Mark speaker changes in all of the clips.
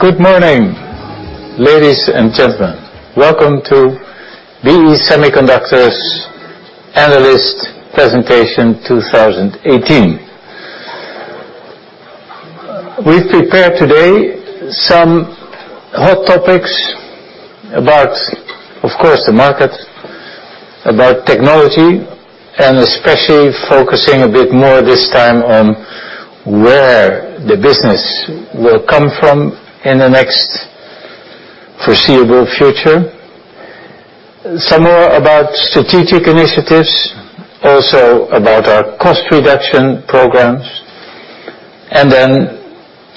Speaker 1: Good morning, ladies and gentlemen. Welcome to BE Semiconductor Industries' Analyst Presentation 2018. We've prepared today some hot topics about, of course, the market, about technology, and especially focusing a bit more this time on where the business will come from in the next foreseeable future. Some more about strategic initiatives, also about our cost reduction programs,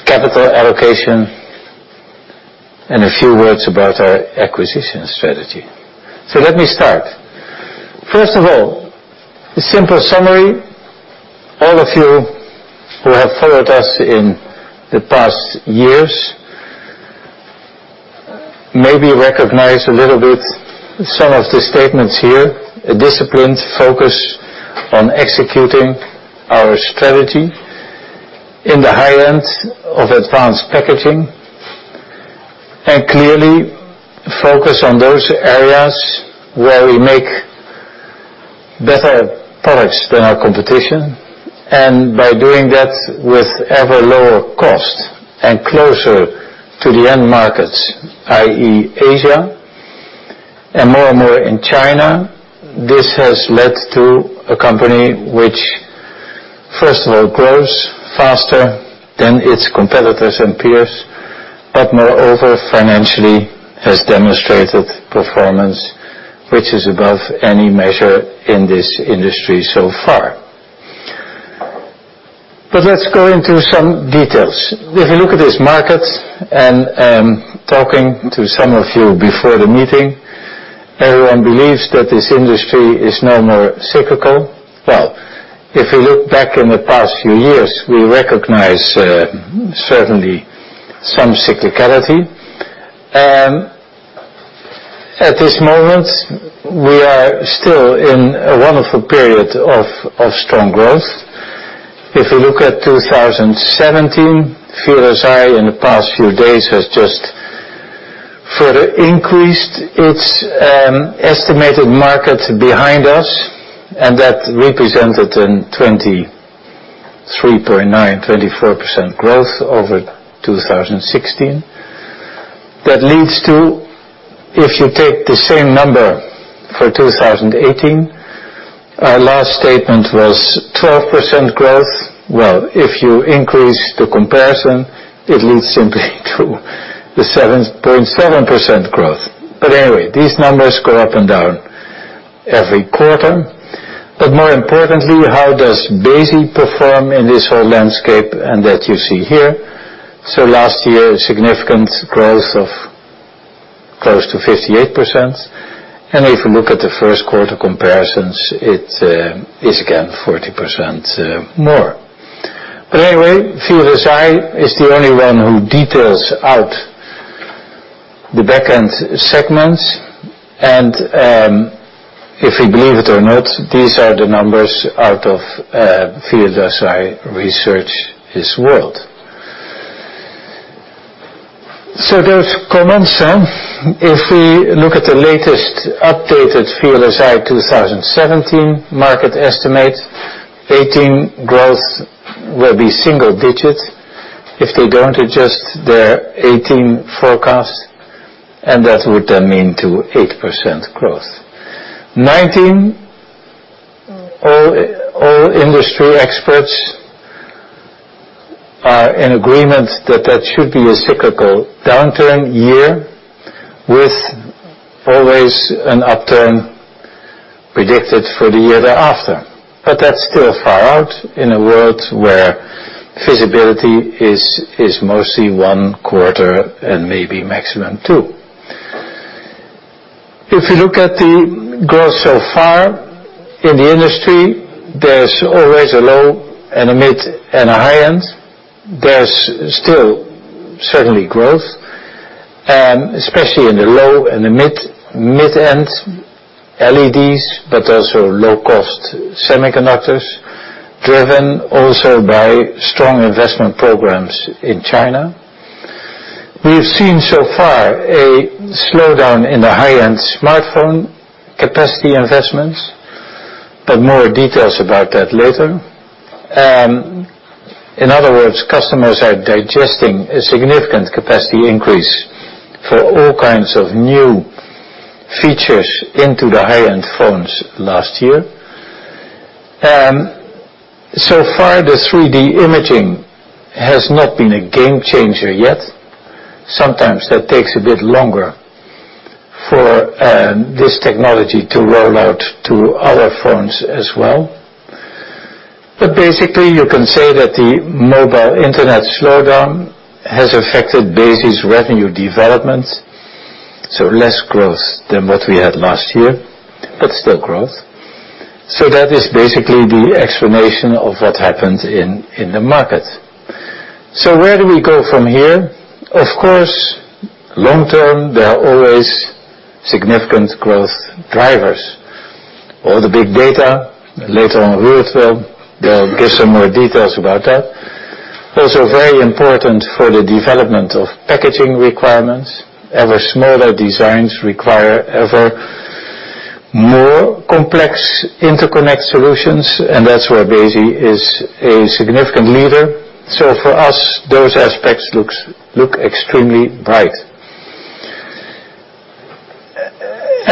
Speaker 1: capital allocation, and a few words about our acquisition strategy. Let me start. First of all, a simple summary. All of you who have followed us in the past years maybe recognize a little bit some of the statements here. A disciplined focus on executing our strategy in the high end of advanced packaging. Clearly focus on those areas where we make better products than our competition, and by doing that with ever lower cost and closer to the end markets, i.e., Asia, and more and more in China. This has led to a company which, first of all, grows faster than its competitors and peers. Moreover, financially has demonstrated performance which is above any measure in this industry so far. Let's go into some details. If you look at this market, and talking to some of you before the meeting, everyone believes that this industry is no more cyclical. If you look back in the past few years, we recognize certainly some cyclicality. At this moment, we are still in a wonderful period of strong growth. If you look at 2017, VLSI in the past few days has just further increased its estimated market behind us, and that represented in 23.9%, 24% growth over 2016. That leads to, if you take the same number for 2018, our last statement was 12% growth. If you increase the comparison, it leads simply to the 7.7% growth. Anyway, these numbers go up and down every quarter. More importantly, how does Besi perform in this whole landscape? That you see here. Last year, significant growth of close to 58%. If you look at the first quarter comparisons, it is again 40% more. Anyway, VLSI is the only one who details out the back end segments. If we believe it or not, these are the numbers out of VLSI Research this world. Those comments then, if we look at the latest updated VLSI 2017 market estimate, 2018 growth will be single digits if they don't adjust their 2018 forecast. That would then mean to 8% growth. 2019, all industry experts are in agreement that that should be a cyclical downturn year with always an upturn predicted for the year thereafter. That's still far out in a world where feasibility is mostly one quarter and maybe maximum two. If you look at the growth so far in the industry, there's always a low and a mid and a high end. There's still certainly growth, especially in the low and the mid end LEDs, but also low-cost semiconductors, driven also by strong investment programs in China. We've seen so far a slowdown in the high-end smartphone capacity investments. More details about that later. In other words, customers are digesting a significant capacity increase for all kinds of new features into the high-end phones last year. So far, the 3D imaging has not been a game changer yet. Sometimes that takes a bit longer for this technology to roll out to other phones as well. Basically, you can say that the mobile internet slowdown has affected Besi's revenue development, so less growth than what we had last year, but still growth. That is basically the explanation of what happened in the market. Where do we go from here? Of course, long term, there are always significant growth drivers. All the big data. Later on, Ruurd will give some more details about that. Also very important for the development of packaging requirements. Ever smaller designs require ever more complex interconnect solutions, and that's where Besi is a significant leader.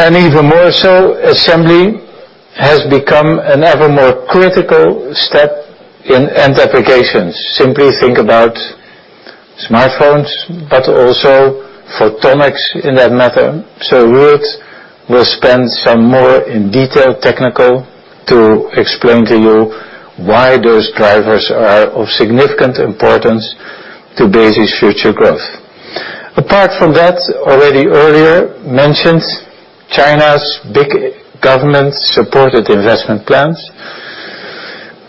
Speaker 1: Even more so, assembly has become an ever more critical step in end applications. Simply think about smartphones, but also photonics in that matter. Ruurd will spend some more in detail, technical, to explain to you why those drivers are of significant importance to Besi's future growth. Apart from that, already earlier mentioned, China's big government-supported investment plans,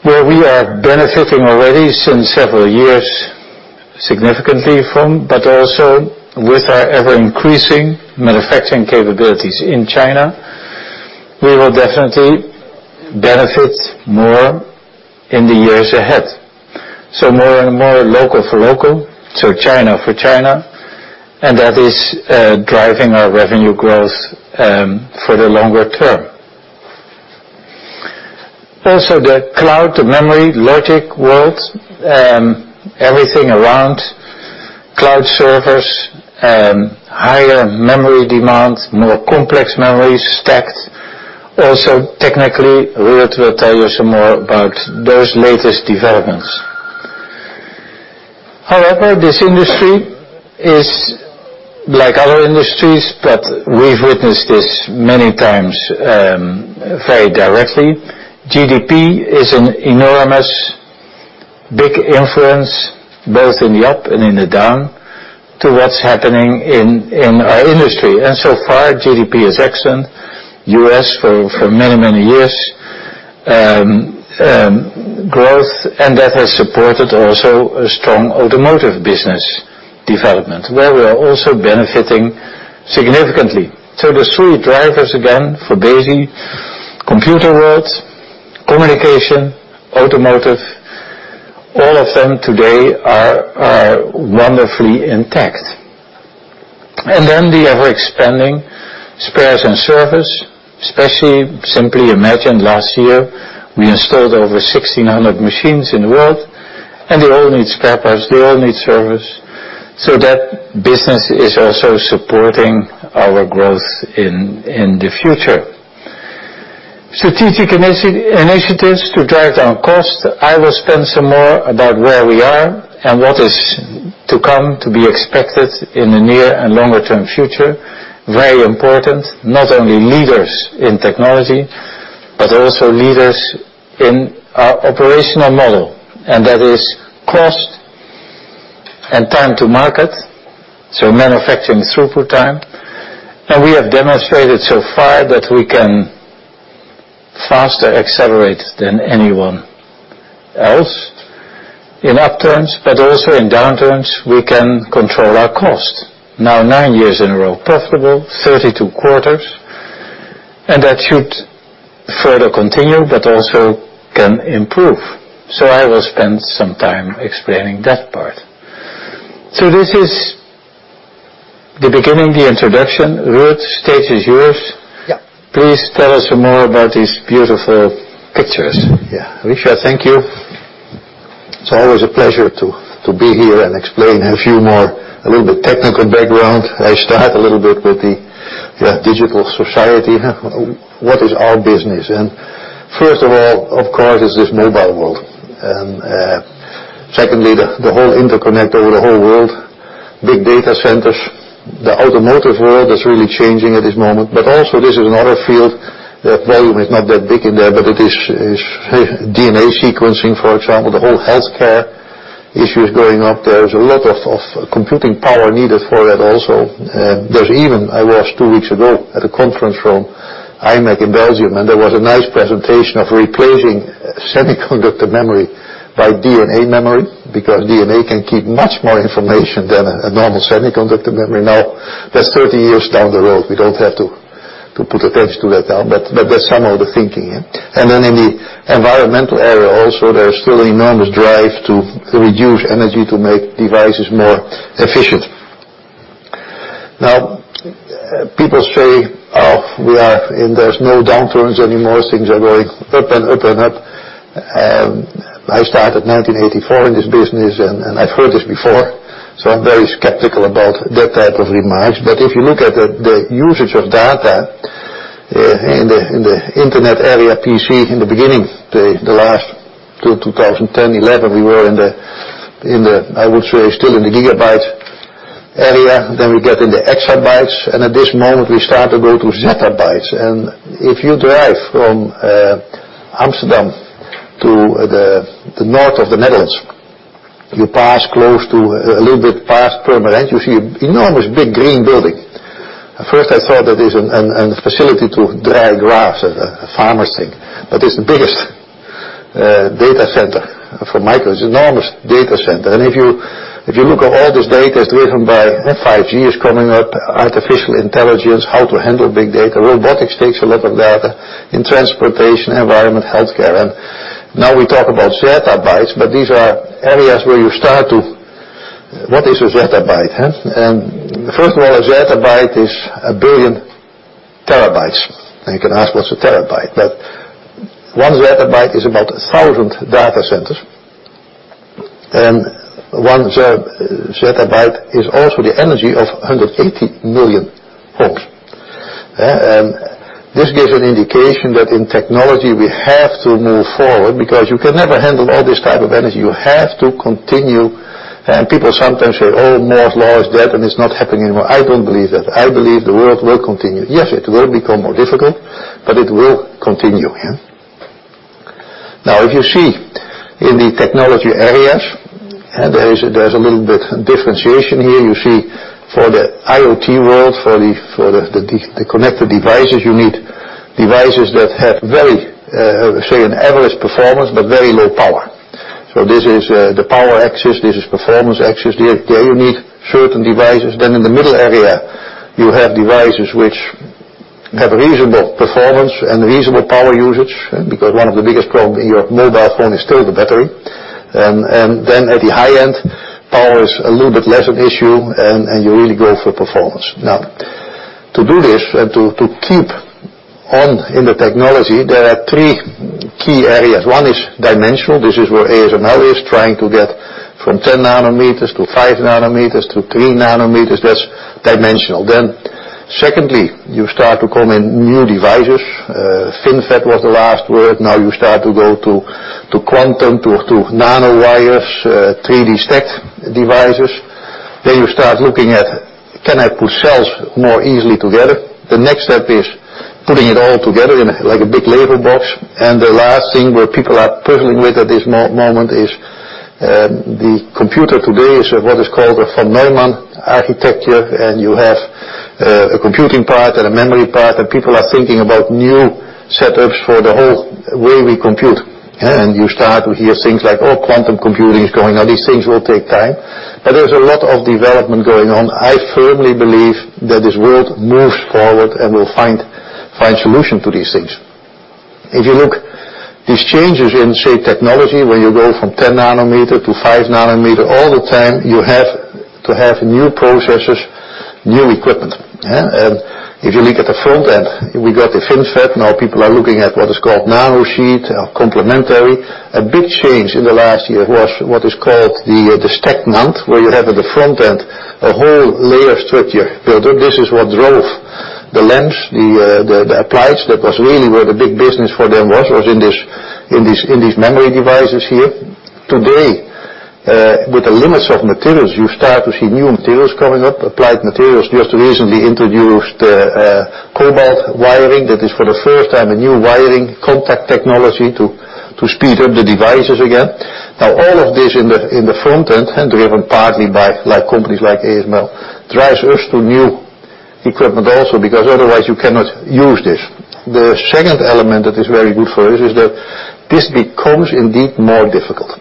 Speaker 1: where we are benefiting already since several years significantly from, but also with our ever-increasing manufacturing capabilities in China, we will definitely benefit more in the years ahead. More and more local for local, so China for China, and that is driving our revenue growth for the longer term. Also, the cloud to memory logic world, everything around cloud servers, higher memory demand, more complex memories stacked. Also, technically, Ruurd will tell you some more about those latest developments. However, this industry is like other industries, but we've witnessed this many times very directly. GDP is an enormous, big influence, both in the up and in the down, to what's happening in our industry. So far, GDP is excellent. U.S. for many, many years. Growth, that has supported also a strong automotive business development, where we are also benefiting significantly. The three drivers again for Besi: computer world, communication, automotive. All of them today are wonderfully intact. Then the ever-expanding spares and service, especially simply imagine last year we installed over 1,600 machines in the world, and they all need spare parts, they all need service. That business is also supporting our growth in the future. Strategic initiatives to drive down cost, I will spend some more about where we are and what is to come to be expected in the near and longer-term future. Very important, not only leaders in technology, but also leaders in our operational model, and that is cost and time to market, so manufacturing throughput time. We have demonstrated so far that we can faster accelerate than anyone else in upturns, but also in downturns, we can control our cost. Now nine years in a row profitable, 32 quarters, that should further continue, but also can improve. I will spend some time explaining that part. This is the beginning, the introduction. Ruurd, stage is yours.
Speaker 2: Yeah.
Speaker 1: Please tell us more about these beautiful pictures.
Speaker 2: Yeah. Richard, thank you. It's always a pleasure to be here and explain a few more, a little bit technical background. I start a little bit with the digital society. What is our business? First of all, of course, is this mobile world. Secondly, the whole interconnect over the whole world. Big data centers. The automotive world is really changing at this moment. Also, this is another field. The volume is not that big in there, but it is DNA sequencing, for example. The whole healthcare issue is going up. There is a lot of computing power needed for that also. There's even, I was two weeks ago at a conference from imec in Belgium, there was a nice presentation of replacing semiconductor memory by DNA memory, because DNA can keep much more information than a normal semiconductor memory. Now, that's 30 years down the road. We don't have to put attention to that now, but that's some of the thinking. Then in the environmental area also, there's still enormous drive to reduce energy to make devices more efficient. Now, people say, "Oh, there's no downturns anymore. Things are going up and up and up." I started 1984 in this business, I've heard this before, so I'm very skeptical about that type of remarks. If you look at the usage of data in the internet area, PC, in the beginning, the last till 2010, '11, we were in the, I would say, still in the gigabyte area, then we get in the exabytes, and at this moment we start to go to zettabytes. If you drive from Amsterdam to the north of the Netherlands, you pass close to a little bit past Purmerend, you see enormous big green building. At first I thought that is a facility to dry grass, a farmer's thing. It's the biggest data center for Microsoft. Enormous data center. If you look at all this data is driven by 5G is coming up, artificial intelligence, how to handle big data. Robotics takes a lot of data in transportation, environment, healthcare. Now we talk about zettabytes, but these are areas where you start to-- What is a zettabyte, huh? First of all, a zettabyte is a billion terabytes. You can ask what's a terabyte? One zettabyte is about 1,000 data centers. One zettabyte is also the energy of 180 million homes. This gives an indication that in technology we have to move forward because you can never handle all this type of energy. You have to continue. People sometimes say, "Oh, Moore's law is dead, it's not happening anymore." I don't believe that. I believe the world will continue. Yes, it will become more difficult, but it will continue. If you see in the technology areas, there's a little bit differentiation here. You see for the IoT world, for the connected devices, you need devices that have very, say, an average performance, but very low power. This is the power axis. This is performance axis. There you need certain devices. In the middle area, you have devices which have reasonable performance and reasonable power usage, because one of the biggest problem in your mobile phone is still the battery. At the high end, power is a little bit less an issue and you really go for performance. To do this and to keep on in the technology, there are three key areas. One is dimensional. This is where ASML is trying to get from 10 nanometers to 5 nanometers to 3 nanometers. That's dimensional. Secondly, you start to come in new devices. FinFET was the last word. You start to go to quantum, to nanowires, 3D stacked devices. You start looking at can I put cells more easily together? The next step is putting it all together in like a big Lego box. The last thing where people are puzzling with at this moment is, the computer today is what is called a von Neumann architecture, you have a computing part and a memory part, people are thinking about new setups for the whole way we compute. You start to hear things like, "Oh, quantum computing is going on." These things will take time. There's a lot of development going on. I firmly believe that this world moves forward and will find solution to these things. If you look these changes in, say, technology, where you go from 10 nanometer to 5 nanometer all the time, you have to have new processors, new equipment. If you look at the front end, we got the FinFET, people are looking at what is called nanosheet or complementary. A big change in the last year was what is called the stack mount, where you have at the front end a whole layer structure builder. This is what drove [the lines, the applications]. That was really where the big business for them was in these memory devices here. Today, with the limits of materials, you start to see new materials coming up. Applied Materials just recently introduced a cobalt wiring that is for the first time a new wiring contact technology to speed up the devices again. All of this in the front end and driven partly by companies like ASML, drives us to new equipment also, because otherwise you cannot use this. The second element that is very good for us is that this becomes indeed more difficult.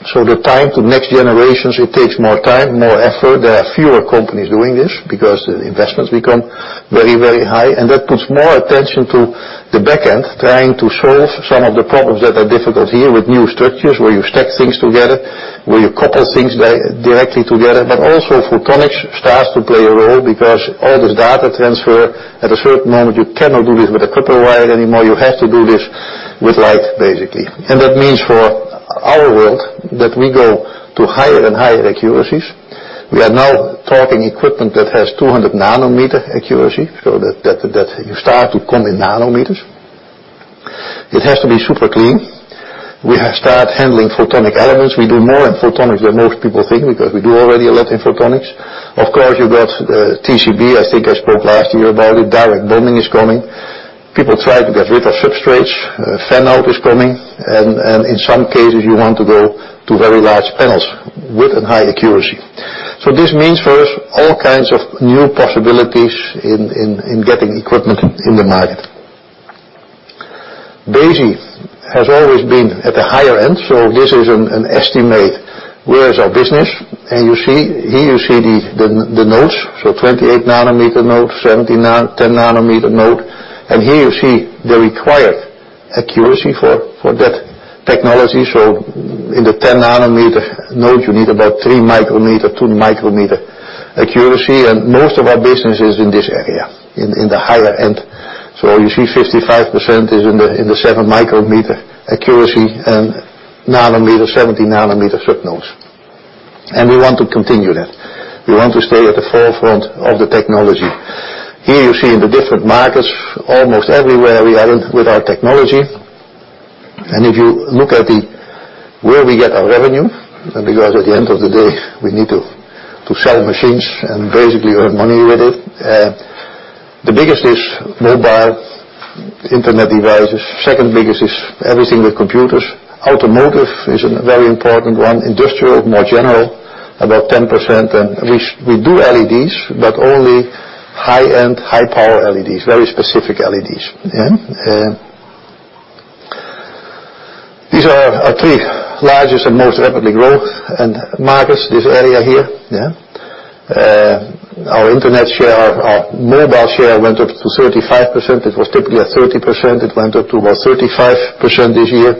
Speaker 2: The time to next generations, it takes more time, more effort. There are fewer companies doing this because the investments become very high. That puts more attention to the back end, trying to solve some of the problems that are difficult here with new structures where you stack things together, where you couple things directly together. Also photonics starts to play a role because all this data transfer, at a certain moment, you cannot do this with a copper wire anymore. You have to do this with light, basically. That means for our world that we go to higher and higher accuracies. We are now talking equipment that has 200 nanometer accuracy, so that you start to come in nanometers. It has to be super clean. We have start handling photonic elements. We do more in photonics than most people think because we do already a lot in photonics. Of course, you got TCB, I think I spoke last year about it. Direct bonding is coming. People try to get rid of substrates. Fan-out is coming and in some cases, you want to go to very large panels with a high accuracy. This means for us, all kinds of new possibilities in getting equipment in the market. ASML has always been at the higher end, so this is an estimate. Where is our business? You see, here you see the nodes. 28 nanometer node, 10 nanometer node. Here you see the required accuracy for that technology. In the 10 nanometer node, you need about 3 micrometer, 2 micrometer accuracy. Most of our business is in this area, in the higher end. You see 55% is in the 7 micrometer accuracy and nanometer, 70 nanometer sub-nodes. We want to continue that. We want to stay at the forefront of the technology. Here you see in the different markets, almost everywhere we are in with our technology. If you look at where we get our revenue, because at the end of the day, we need to sell machines and basically earn money with it. The biggest is mobile internet devices. Second biggest is everything with computers. Automotive is a very important one. Industrial, more general, about 10%. We do LEDs, but only high-end, high-power LEDs, very specific LEDs. These are our three largest and most rapidly growth markets, this area here. Our internet share, our mobile share went up to 35%. It was typically at 30%, it went up to about 35% this year.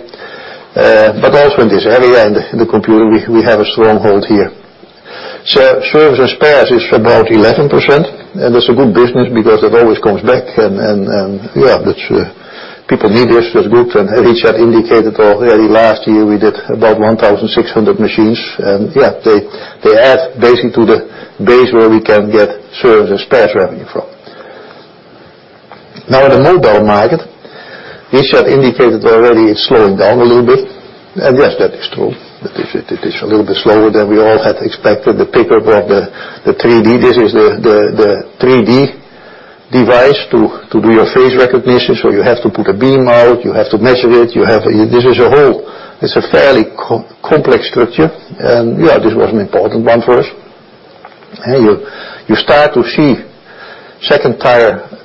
Speaker 2: Also in this area, in the computer, we have a stronghold here. Services and spares is about 11%, and that's a good business because it always comes back, people need this. That's good. Richard indicated already last year we did about 1,600 machines, they add basically to the base where we can get services spares revenue from. Now in the mobile market, Richard indicated already it's slowing down a little bit, and yes, that is true, that it is a little bit slower than we all had expected. The paper about the 3D. This is the 3D device to do your face recognition. You have to put a beam out, you have to measure it. It's a fairly complex structure, this was an important one for us. You start to see second-tier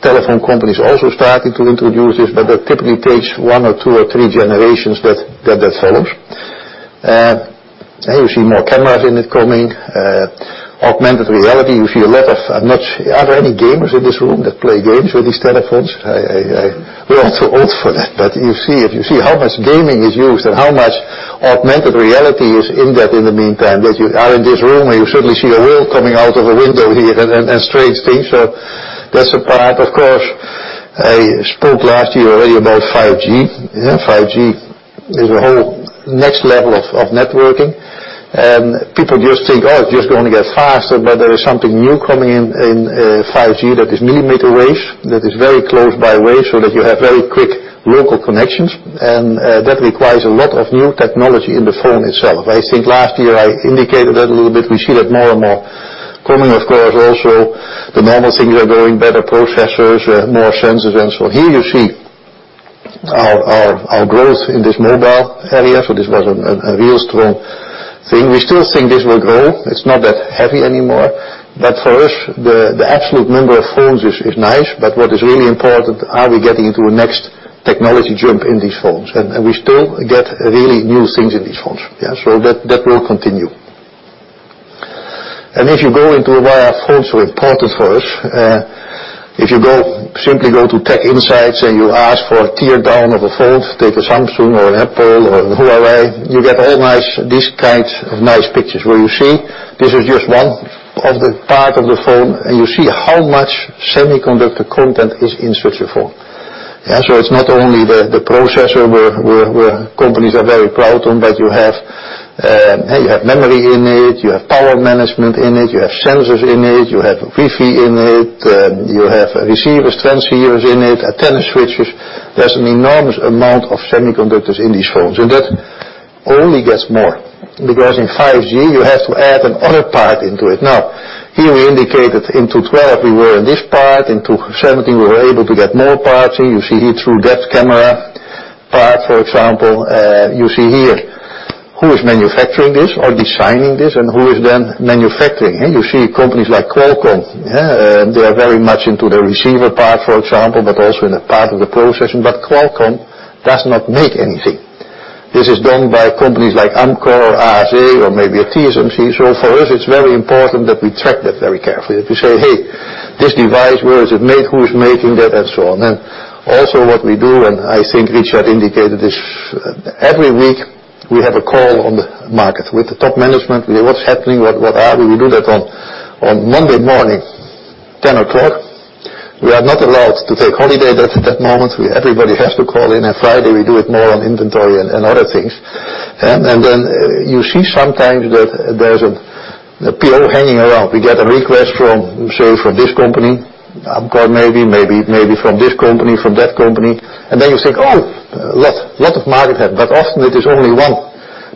Speaker 2: telephone companies also starting to introduce this, but that typically takes one or two or three generations that follows. You see more cameras in it coming. Augmented reality, you see a lot of. Are there any gamers in this room that play games with these telephones? I'm also old for that, but if you see how much gaming is used and how much augmented reality is in that in the meantime, that you are in this room, and you suddenly see a world coming out of a window here and strange things. That's a part, of course. I spoke last year already about 5G. 5G is a whole next level of networking, and people just think, "Oh, it's just going to get faster." There is something new coming in 5G that is millimeter waves, that is very close by waves so that you have very quick local connections, and that requires a lot of new technology in the phone itself. I think last year I indicated that a little bit. We see that more and more coming. Of course, also the normal things are going better, processors, more sensors and so on. Here you see our growth in this mobile area. This was a real strong thing. We still think this will grow. It's not that heavy anymore, but for us, the absolute number of phones is nice. What is really important, are we getting into a next technology jump in these phones? We still get really new things in these phones. That will continue. If you go into why our phones are important for us, if you simply go to TechInsights and you ask for a teardown of a phone, take a Samsung or an Apple or whoever, you get all these kinds of nice pictures where you see this is just one of the part of the phone, and you see how much semiconductor content is in such a phone. It's not only the processor where companies are very proud of, but you have memory in it, you have power management in it, you have sensors in it, you have Wi-Fi in it, you have receivers, transmitters in it, antenna switches. There's an enormous amount of semiconductors in these phones, and that only gets more because in 5G, you have to add another part into it. Here we indicated in 2012, we were in this part. In 2017, we were able to get more parts in. You see here through that camera part, for example, you see here who is manufacturing this or designing this and who is then manufacturing. You see companies like Qualcomm. They are very much into the receiver part, for example, but also in a part of the processing. Qualcomm does not make anything. This is done by companies like Amkor, ASE, or maybe a TSMC. For us, it's very important that we track that very carefully, that we say, "Hey, this device, where is it made? Who is making that?" So on. Also what we do, and I think Richard indicated this. Every week we have a call on the market with the top management. What's happening? Where are we? We do that on Monday morning, 10:00 A.M. We are not allowed to take holiday at that moment. Everybody has to call in. Friday we do it more on inventory and other things. You see sometimes that there's a PO hanging around. We get a request from, say, from this company. Amkor maybe from this company, from that company. You think, "Oh, lot of market," but often it is only one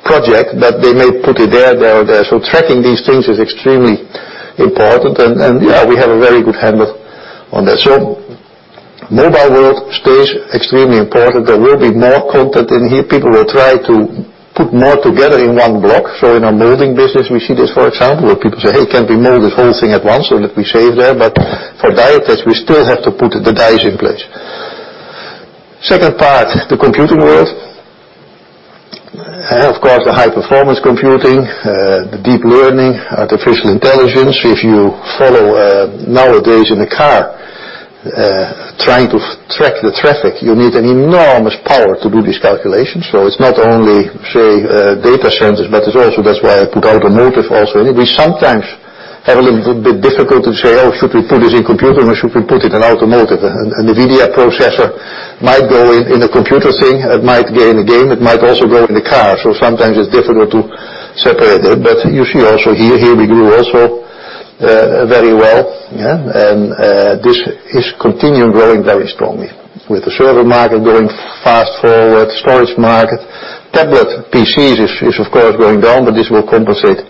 Speaker 2: project, but they may put it there, or there. Tracking these things is extremely important, and yeah, we have a very good handle on that. Mobile world stays extremely important. There will be more content in here. People will try to put more together in one block. In our molding business, we see this, for example, where people say, "Hey, can we mold this whole thing at once?" If we save there. For die test, we still have to put the dies in place. Second part, the computing world. Of course, the high-performance computing, the deep learning, artificial intelligence. If you follow nowadays in the car trying to track the traffic, you need an enormous power to do these calculations. It's not only, say, data centers, but it's also that's why I put automotive also in it. We sometimes have a little bit difficult to say, "Oh, should we put this in computer or should we put it in automotive?" The video processor might go in a computer thing, it might go in a game, it might also go in the car. Sometimes it's difficult to separate it. You see also here we do also very well. This is continuing growing very strongly with the server market going fast forward, storage market. Tablet PCs is of course going down, but this will compensate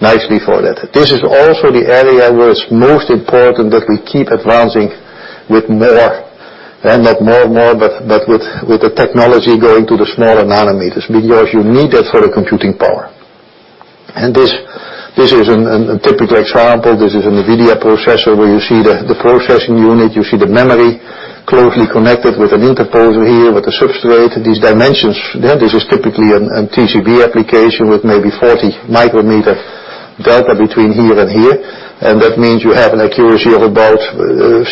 Speaker 2: nicely for that. This is also the area where it's most important that we keep advancing with more Not more, but with the technology going to the smaller nanometers, because you need that for the computing power. This is a typical example. This is an NVIDIA processor where you see the processing unit, you see the memory closely connected with an interposer here, with a substrate. These dimensions, this is typically a TCB application with maybe 40 micrometer delta between here and here. That means you have an accuracy of about,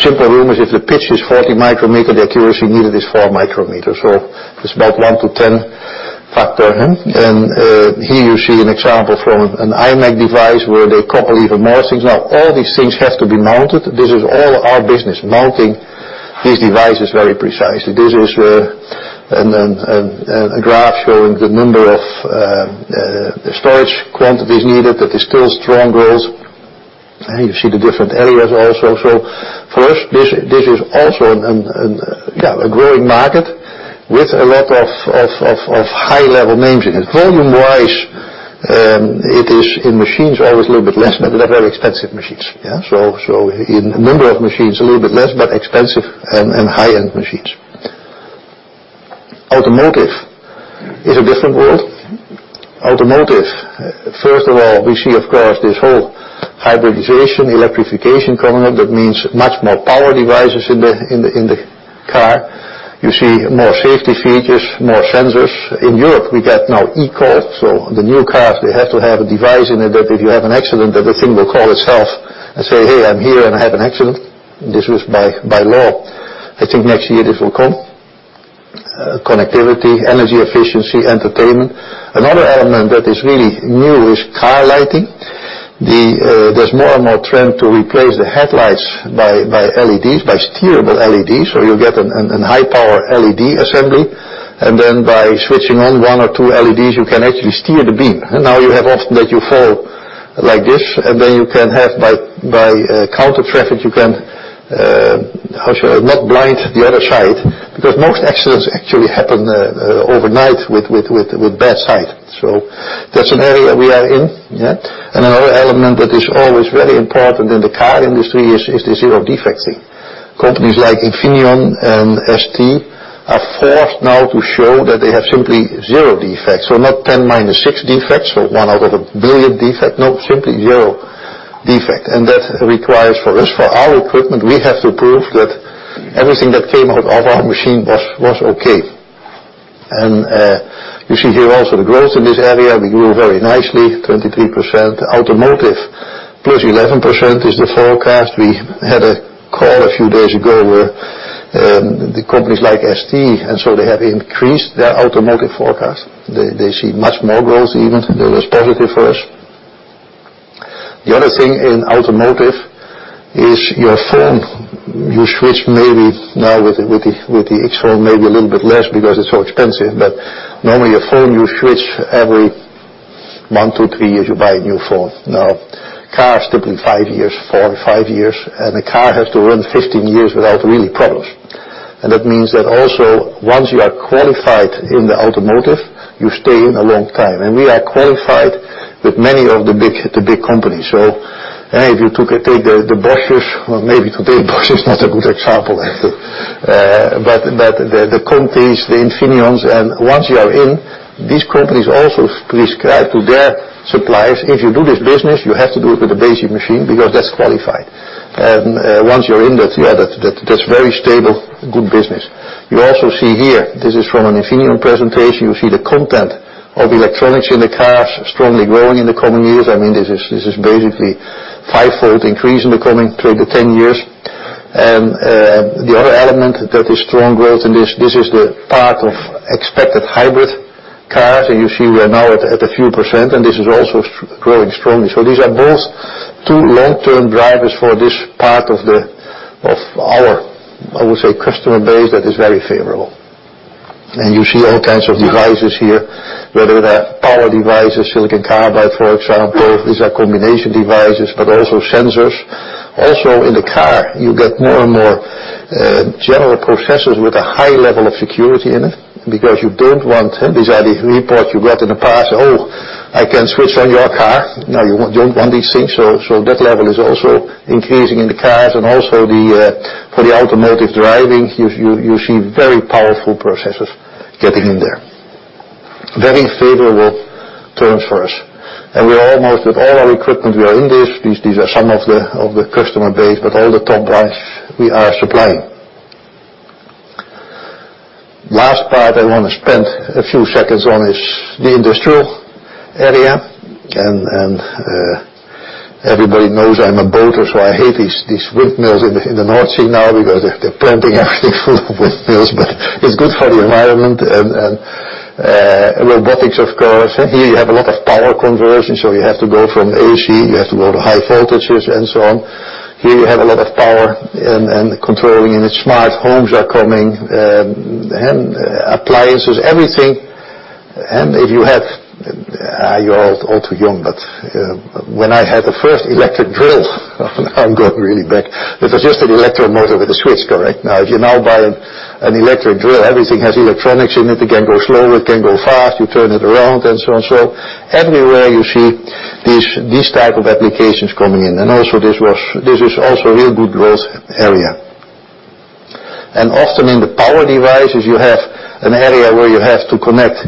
Speaker 2: simple rule is if the pitch is 40 micrometer, the accuracy needed is 4 micrometer. It's about 9 to 10 factor. Here you see an example from an imec device where they copper layer more things. Now all these things have to be mounted. This is all our business, mounting these devices very precisely. This is a graph showing the number of storage quantities needed. That is still strong growth. You see the different areas also. For us, this is also a growing market with a lot of high level names in it. Volume wise, it is in machines always a little bit less, but they're very expensive machines. In number of machines, a little bit less, but expensive and high-end machines. Automotive is a different world. Automotive, first of all, we see of course, this whole hybridization, electrification coming up. That means much more power devices in the car. You see more safety features, more sensors. E-call, the new cars, they have to have a device in it that if you have an accident, that the thing will call itself and say, "Hey, I'm here and I have an accident." This is by law. I think next year this will come. Connectivity, energy efficiency, entertainment. Another element that is really new is car lighting. There's more and more trend to replace the headlights by LEDs, by steerable LEDs. You'll get a high-power LED assembly, and then by switching on one or two LEDs, you can actually steer the beam. Now you have often that you fall like this, and then you can have by counter traffic, you can not blind the other side. Most accidents actually happen overnight with bad sight. That's an area we are in. Another element that is always very important in the car industry is the zero defect thing. Companies like Infineon and ST are forced now to show that they have simply zero defects. Not 10-6 defects or one out of a billion defect. No, simply zero defect. That requires for us, for our equipment, we have to prove that everything that came out of our machine was okay. You see here also the growth in this area. We grew very nicely, 23%. Automotive plus 11% is the forecast. We had a call a few days ago where the companies like ST, they have increased their automotive forecast. They see much more growth even. That was positive for us. The other thing in automotive is your phone. You switch maybe now with the iPhone X, maybe a little bit less because it's so expensive. Normally your phone, you switch every one to two years, you buy a new phone. Now cars typically four or five years, and the car has to run 15 years without really problems. That means that also once you are qualified in the automotive, you stay in a long time. We are qualified with many of the big companies. If you take the Bosch, or maybe today Bosch is not a good example. The Continental, the Infineon, once you are in, these companies also prescribe to their suppliers, if you do this business, you have to do it with a Besi machine because that's qualified. Once you're in, that's very stable, good business. See here, this is from an Infineon presentation. The content of electronics in the cars strongly growing in the coming years. This is basically fivefold increase in the coming 10 years. The other element that is strong growth, this is the part of expected hybrid cars. You see we are now at a few percent, this is also growing strongly. These are both two long-term drivers for this part of our, I would say, customer base that is very favorable. You see all kinds of devices here, whether they're power devices, silicon carbide, for example. These are combination devices, but also sensors. Also in the car, you get more and more general processors with a high level of security in it. These are the reports you got in the past, "Oh, I can switch on your car." You don't want these things, that level is also increasing in the cars. Also for the automotive driving, you see very powerful processors getting in there. Very favorable terms for us. We're almost with all our equipment, we are in this. These are some of the customer base, but all the top guys we are supplying. Last part I want to spend a few seconds on is the industrial area. Everybody knows I'm a boater, so I hate these windmills in the North Sea now because they're planting everything full of windmills. It's good for the environment and robotics of course. Here you have a lot of power conversion, so you have to go from AC, you have to go to high voltages and so on. Here you have a lot of power and controlling, and smart homes are coming. Appliances, everything. If you have-- you're all too young, but when I had the first electric drill, now I'm going really back, it was just an electric motor with a switch, correct? If you now buy an electric drill, everything has electronics in it. It can go slow. It can go fast. You turn it around and so on. Everywhere you see these type of applications coming in. Also this is also a real good growth area. Often in the power devices, you have an area where you have to connect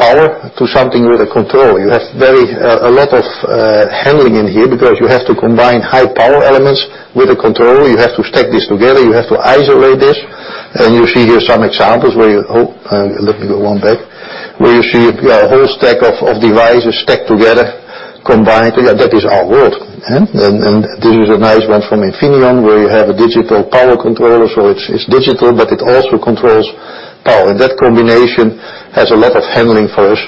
Speaker 2: power to something with a control. You have a lot of handling in here because you have to combine high power elements with a control. You have to stack these together. You have to isolate this. You see here some examples where you. Oh, let me go one back. Where you see a whole stack of devices stacked together, combined together. That is our world. This is a nice one from Infineon where you have a digital power controller. It's digital, but it also controls power. That combination has a lot of handling for us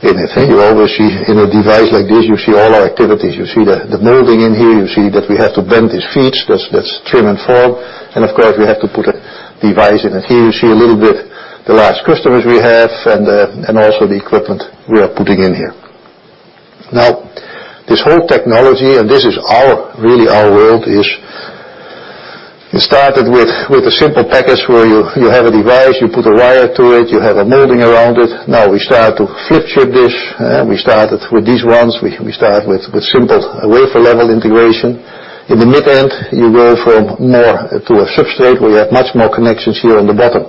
Speaker 2: in it. You always see in a device like this, you see all our activities. You see the molding in here. You see that we have to bend these leads. That's trim and form. Of course, we have to put a device in it. Here you see a little bit the last customers we have and also the equipment we are putting in here. This whole technology, and this is really our world, started with a simple package where you have a device, you put a wire to it, you have a molding around it. We start to flip chip this, and we started with these ones. We start with simple wafer level integration. In the mid end, you go from more to a substrate where you have much more connections here on the bottom.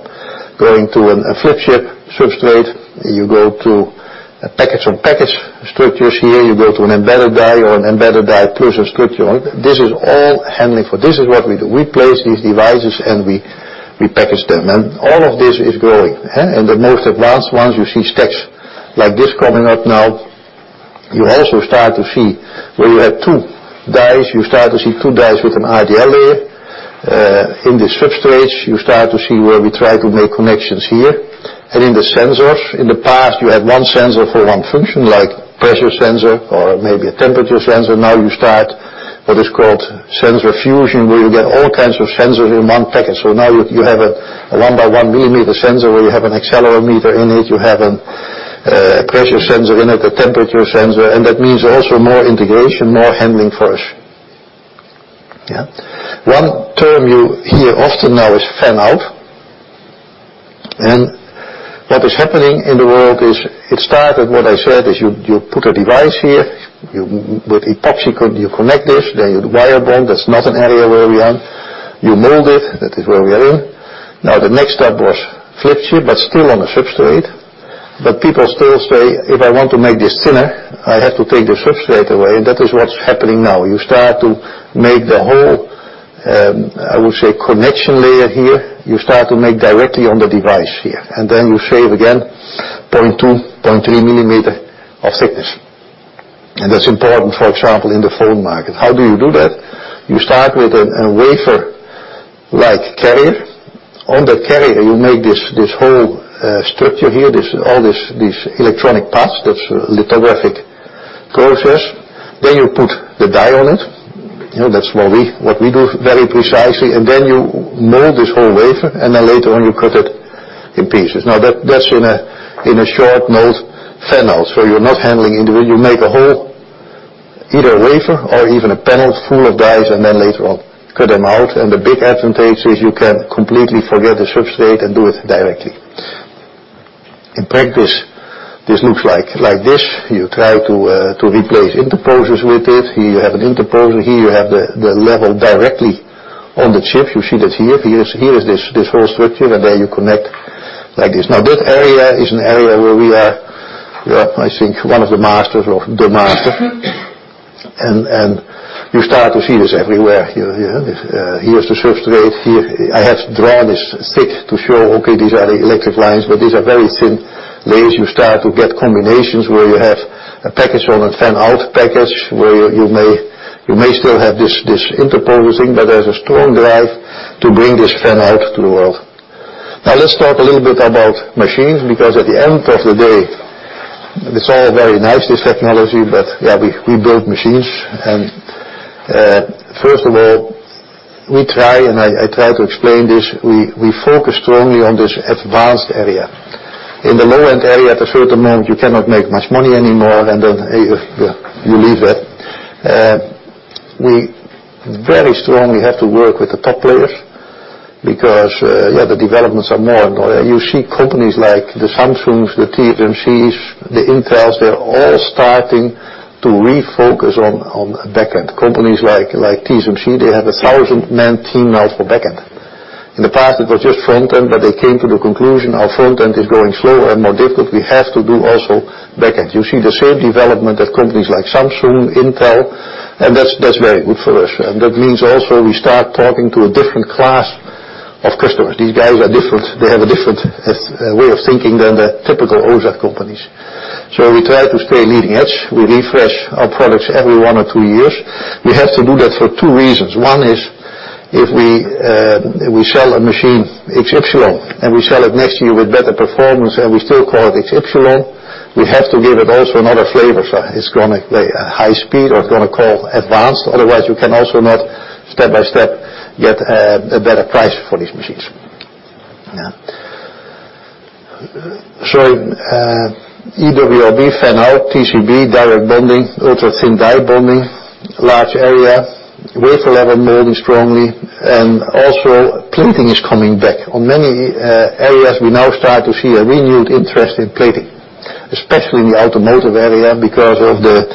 Speaker 2: Going to a flip chip substrate, you go to a package on package structures here. You go to an embedded die or an embedded die closure structure. This is all handling. This is what we do. We place these devices, and we package them. All of this is growing. The most advanced ones, you see stacks like this coming up now. You also start to see where you have two dies. You start to see two dies with an RDL layer. In these substrates, you start to see where we try to make connections here. In the sensors, in the past, you had one sensor for one function, like pressure sensor or maybe a temperature sensor. Now you start what is called sensor fusion, where you get all kinds of sensors in one package. Now you have a one by one millimeter sensor where you have an accelerometer in it, you have a pressure sensor in it, a temperature sensor, and that means also more integration, more handling for us. One term you hear often now is fan-out. What is happening in the world is it started, what I said, is you put a device here. With epoxy, you connect this. Then you wire bond. That's not an area where we are in. You mold it. That is where we are in. The next step was flip chip, but still on a substrate. People still say, "If I want to make this thinner, I have to take the substrate away." That is what's happening now. You start to make the whole, I would say, connection layer here. You start to make directly on the device here, and then you shave again 0.2, 0.3 millimeter of thickness. That's important, for example, in the phone market. How do you do that? You start with a wafer-like carrier. On the carrier, you make this whole structure here, all these electronic parts, that's a lithographic process. Then you put the die on it. That's what we do very precisely. Then you mold this whole wafer, and then later on you cut it in pieces. That's in a short mold fan-out. You're not handling individual. You make a whole either wafer or even a panel full of dies, then later on cut them out. The big advantage is you can completely forget the substrate and do it directly. In practice, this looks like this. You try to replace interposers with this. Here you have an interposer. Here you have the level directly on the chip. You see that here. Here is this whole structure, and then you connect like this. That area is an area where we are, I think, one of the masters or the master. You start to see this everywhere. Here is the substrate here. I have drawn this thick to show, okay, these are the electric lines, but these are very thin layers. You start to get combinations where you have a package on a fan-out package, where you may still have this interposing, but there's a strong drive to bring this fan-out to the world. Let's talk a little bit about machines, because at the end of the day, it's all very nice, this technology, but we build machines. First of all, I try to explain this, we focus strongly on this advanced area. In the low-end area, at a certain moment, you cannot make much money anymore, then you leave it. We very strongly have to work with the top players because the developments are more and more. You see companies like the Samsung, the TSMC, the Intel, they're all starting to refocus on back-end. Companies like TSMC, they have a 1,000-man team now for back-end. In the past, it was just front-end, but they came to the conclusion our front-end is growing slower and more difficult. We have to do also back-end. You see the same development of companies like Samsung, Intel, and that's very good for us. That means also we start talking to a different class of customers. These guys are different. They have a different way of thinking than the typical OSAT companies. We try to stay leading edge. We refresh our products every one or two years. We have to do that for two reasons. One is if we sell a machine, H-Epsilon, and we sell it next year with better performance and we still call it H-Epsilon, we have to give it also another flavor. It's going to high speed or going to call advanced. Step by step, get a better price for these machines. Yeah. EWLB, fan-out, TCB, direct bonding, ultra-thin die bonding, large area, wafer level molding strongly, and also plating is coming back. On many areas, we now start to see a renewed interest in plating, especially in the automotive area because of the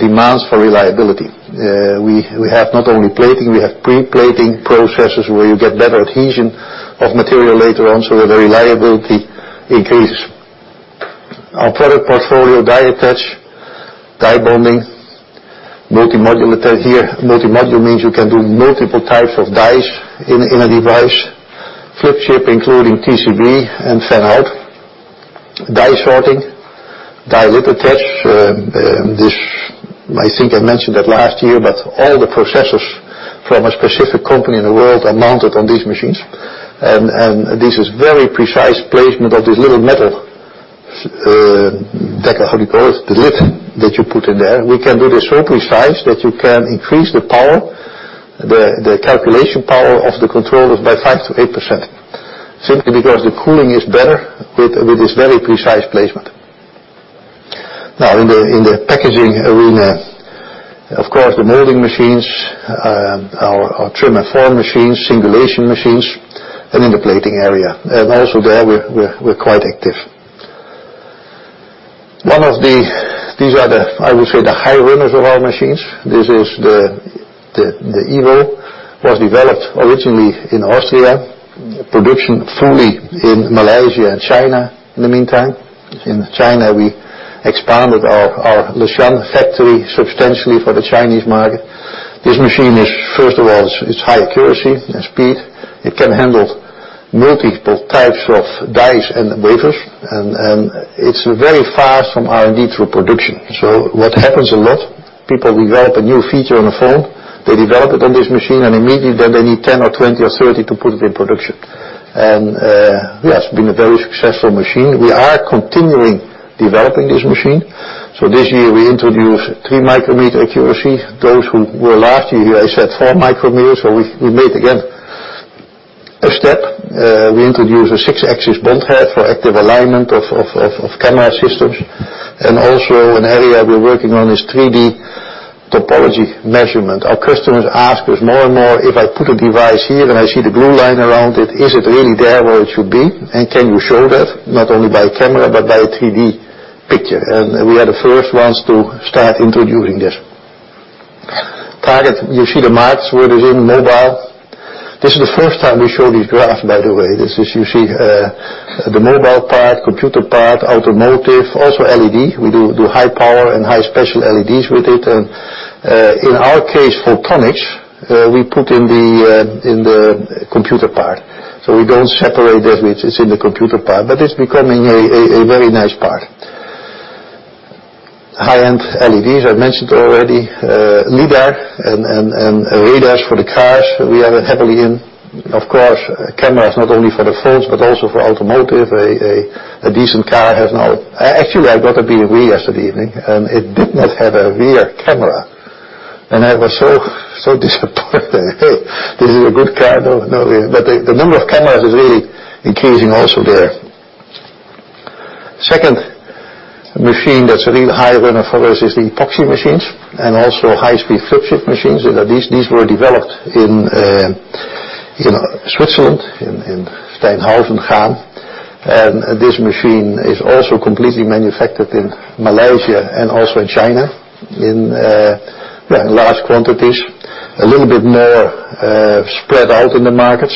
Speaker 2: demands for reliability. We have not only plating, we have pre-plating processes where you get better adhesion of material later on, so that the reliability increases. Our product portfolio, die attach, die bonding, multi-module attached here. Multi-module means you can do multiple types of dies in a device. Flip chip, including TCB and fan-out. Die sorting, lid attach. I think I mentioned it last year, but all the processors from a specific company in the world are mounted on these machines. This is very precise placement of this little metal deca, how do you call it? The lid that you put in there. We can do this so precise that you can increase the power, the calculation power of the controllers by 5%-8%, simply because the cooling is better with this very precise placement. In the packaging arena, of course, the molding machines, our trim and form machines, singulation machines, and in the plating area. Also there we're quite active. These are the, I would say, the high runners of our machines. This is the EVO. Was developed originally in Austria. Production fully in Malaysia and China in the meantime. In China, we expanded our Leshan factory substantially for the Chinese market. This machine is, first of all, it's high accuracy and speed. It can handle multiple types of dies and wafers, and it's very fast from R&D through production. What happens a lot, people develop a new feature on the phone, they develop it on this machine, and immediately then they need 10 or 20 or 30 to put it in production. Yes, it's been a very successful machine. We are continuing developing this machine. This year we introduce 3 micrometers accuracy. Those who were last year here, I said 4 micrometers. We made again a step. We introduced a 6-axis bond head for active alignment of camera systems. Also an area we're working on is 3D topology measurement. Our customers ask us more and more, "If I put a device here and I see the blue line around it, is it really there where it should be? Can you show that not only by camera but by a 3D picture?" We are the first ones to start introducing this. Target. You see the marks where it is in mobile. This is the first time we show these graphs, by the way. This is usually the mobile part, computer part, automotive, also LED. We do high power and high special LEDs with it. In our case, photonics, we put in the computer part. We don't separate that which is in the computer part, but it's becoming a very nice part. High-end LEDs, I mentioned already. LiDAR and radars for the cars, we are heavily in. Of course, cameras, not only for the phones but also for automotive. A decent car has now-- Actually, I got a BMW yesterday evening, and it did not have a rear camera. I was so disappointed. This is a good car, though, no way. The number of cameras is really increasing also there. Second machine that's a real high runner for us is the epoxy machines and also high-speed flip chip machines. These were developed in Switzerland, in Steinhausen, and this machine is also completely manufactured in Malaysia and also in China in large quantities. A little bit more spread out in the markets.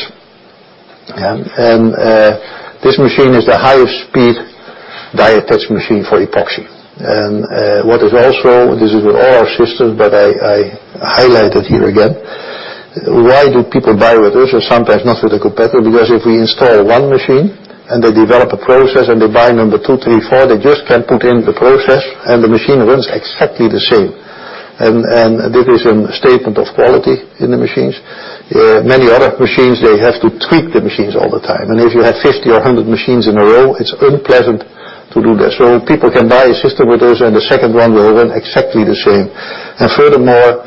Speaker 2: This machine is the highest speed die attach machine for epoxy. This is with all our systems, but I highlight it here again. Why do people buy with us and sometimes not with a competitor? Because if we install one machine and they develop a process and they buy number 2, 3, 4, they just can put in the process and the machine runs exactly the same. This is a statement of quality in the machines. Many other machines, they have to tweak the machines all the time, and if you have 50 or 100 machines in a row, it's unpleasant to do that. People can buy a system with us, and the second one will run exactly the same. Furthermore,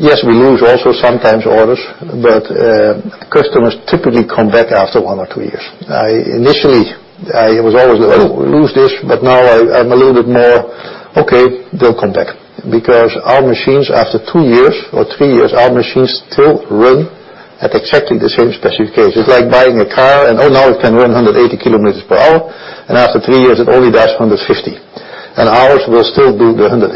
Speaker 2: yes, we lose also sometimes orders, but customers typically come back after one or two years. Initially, I was always like, "Oh, we lose this," but now I'm a little bit more, "Okay, they'll come back." Because our machines, after two years or three years, our machines still run at exactly the same specifications. It's like buying a car and, oh, now it can run 180 kilometers per hour, and after three years, it only does 150. Ours will still do the 180.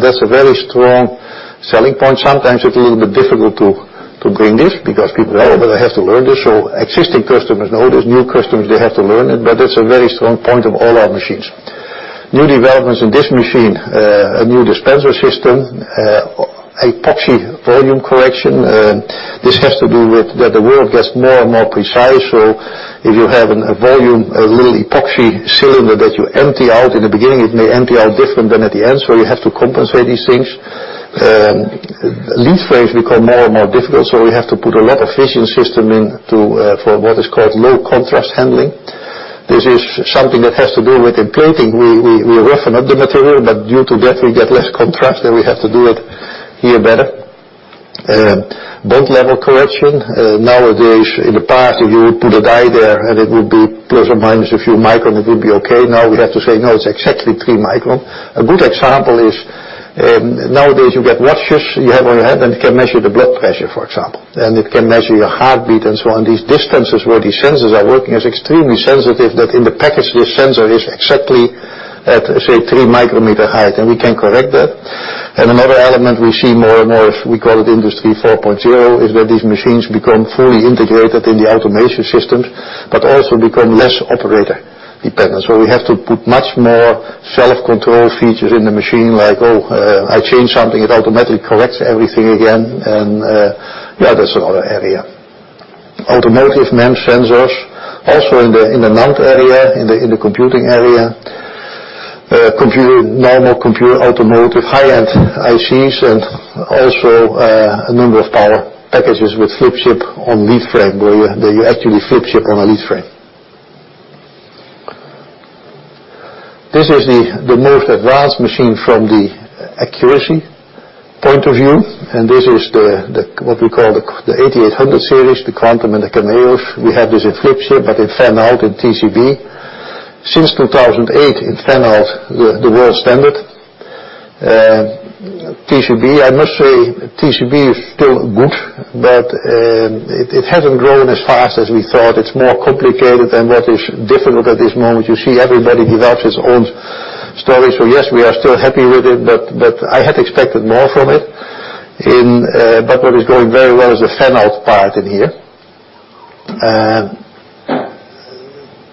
Speaker 2: That's a very strong selling point. Sometimes it's a little bit difficult to bring this because people, "Oh, but I have to learn this." Existing customers know this. New customers, they have to learn it, but it's a very strong point of all our machines. New developments in this machine. A new dispenser system, epoxy volume correction. This has to do with that the world gets more and more precise, so if you have a volume, a little epoxy cylinder that you empty out in the beginning, it may empty out different than at the end. You have to compensate these things. Lead frames become more and more difficult, so we have to put a lot of vision system in for what is called low contrast handling. This is something that has to do with the plating. We roughen up the material, due to that, we get less contrast, we have to do it here better. Bond level correction. Nowadays, in the past, if you put a die there and it would be plus or minus a few microns, it would be okay. Now we have to say, "No, it's exactly 3 microns." A good example is, nowadays you get watches you have on your hand and it can measure the blood pressure, for example. It can measure your heartbeat and so on. These distances where these sensors are working is extremely sensitive that in the package, this sensor is exactly at, say, 3 micrometers height, and we can correct that. Another element we see more and more, we call it Industry 4.0, is where these machines become fully integrated in the automation systems, but also become less operator-dependent. We have to put much more self-control features in the machine. Like, oh, I change something, it automatically corrects everything again. Yeah, that's another area. Automotive MEMS sensors, also in the NAND area, in the computing area. Normal computer, automotive high-end ICs, also a number of power packages with flip chip on lead frame, where you actually flip chip on a lead frame. This is the most advanced machine from the accuracy point of view, this is what we call the 8800 series, the Quantum and the CHAMEO. We have this in flip chip, in fan-out in TCB. Since 2008, in fan-out, the world standard. TCB, I must say TCB is still good, it hasn't grown as fast as we thought. It's more complicated than what is different at this moment. You see everybody develops its own story. Yes, we are still happy with it, I had expected more from it. What is going very well is the fan-out part in here.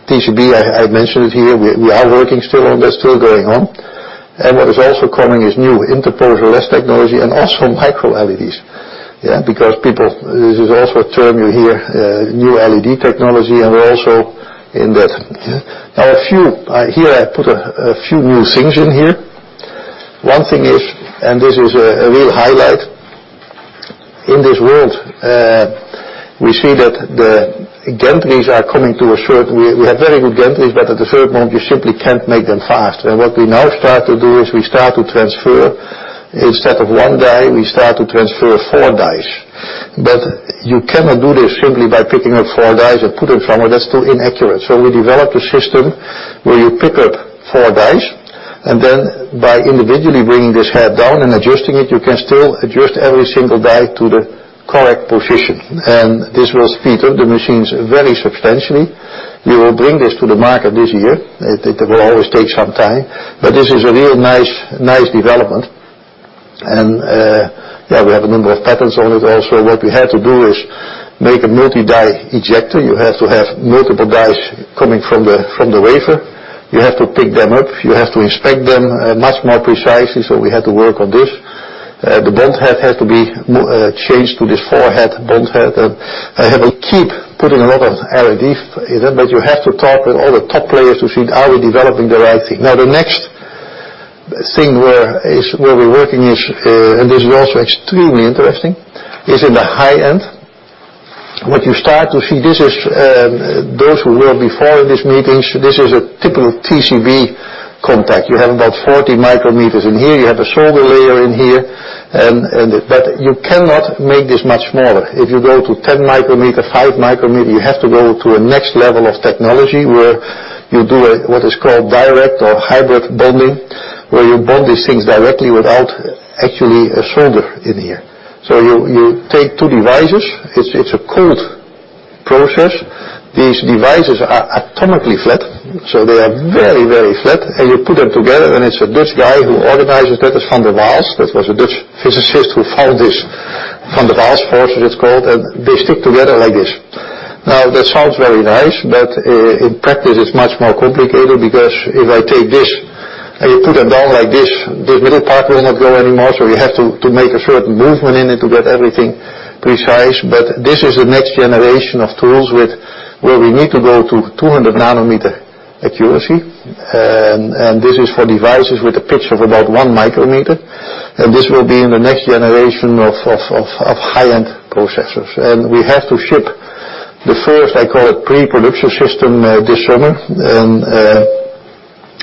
Speaker 2: TCB, I mentioned it here. We are working still on this, still going on. What is also coming is new interposer-less technology and also MicroLEDs. Because this is also a term you hear, new LED technology, we're also in that. Here I put a few new things in here. One thing is, this is a real highlight. In this world, we see that the gantries are coming to a certain. We have very good gantries, at a certain point, you simply can't make them fast. What we now start to do is we start to transfer, instead of one die, we start to transfer four dies. You cannot do this simply by picking up four dies and put it somewhere. That's still inaccurate. We developed a system where you pick up four dies, then by individually bringing this head down and adjusting it, you can still adjust every single die to the correct position. This will speed up the machines very substantially. We will bring this to the market this year. It will always take some time, this is a real nice development. We have a number of patents on it also. What we had to do is make a multi-die ejector. You have to have multiple dies coming from the wafer. You have to pick them up. You have to inspect them much more precisely, we had to work on this. The bond head had to be changed to this four-head bond head. I keep putting a lot of R&D in them, you have to talk with all the top players to see, are we developing the right thing? The next thing where we're working is, this is also extremely interesting, is in the high end. What you start to see, those who were before in these meetings, this is a typical TCB contact. You have about 40 micrometers in here. You have a solder layer in here. You cannot make this much smaller. If you go to 10 micrometer, 5 micrometer, you have to go to a next level of technology, where you do what is called direct or hybrid bonding, where you bond these things directly without actually a solder in here. You take 2 devices. It's a cold process. These devices are atomically flat, so they are very, very flat. You put them together, and it's a Dutch guy who organizes that. It's Van der Waals. That was a Dutch physicist who found this. Van der Waals force, it's called, and they stick together like this. That sounds very nice, but in practice, it's much more complicated because if I take this and put it down like this middle part will not go anymore. You have to make a certain movement in it to get everything precise. This is the next generation of tools where we need to go to 200 nanometer accuracy. This is for devices with a pitch of about 1 micrometer, and this will be in the next generation of high-end processors. We have to ship the first, I call it, pre-production system this summer.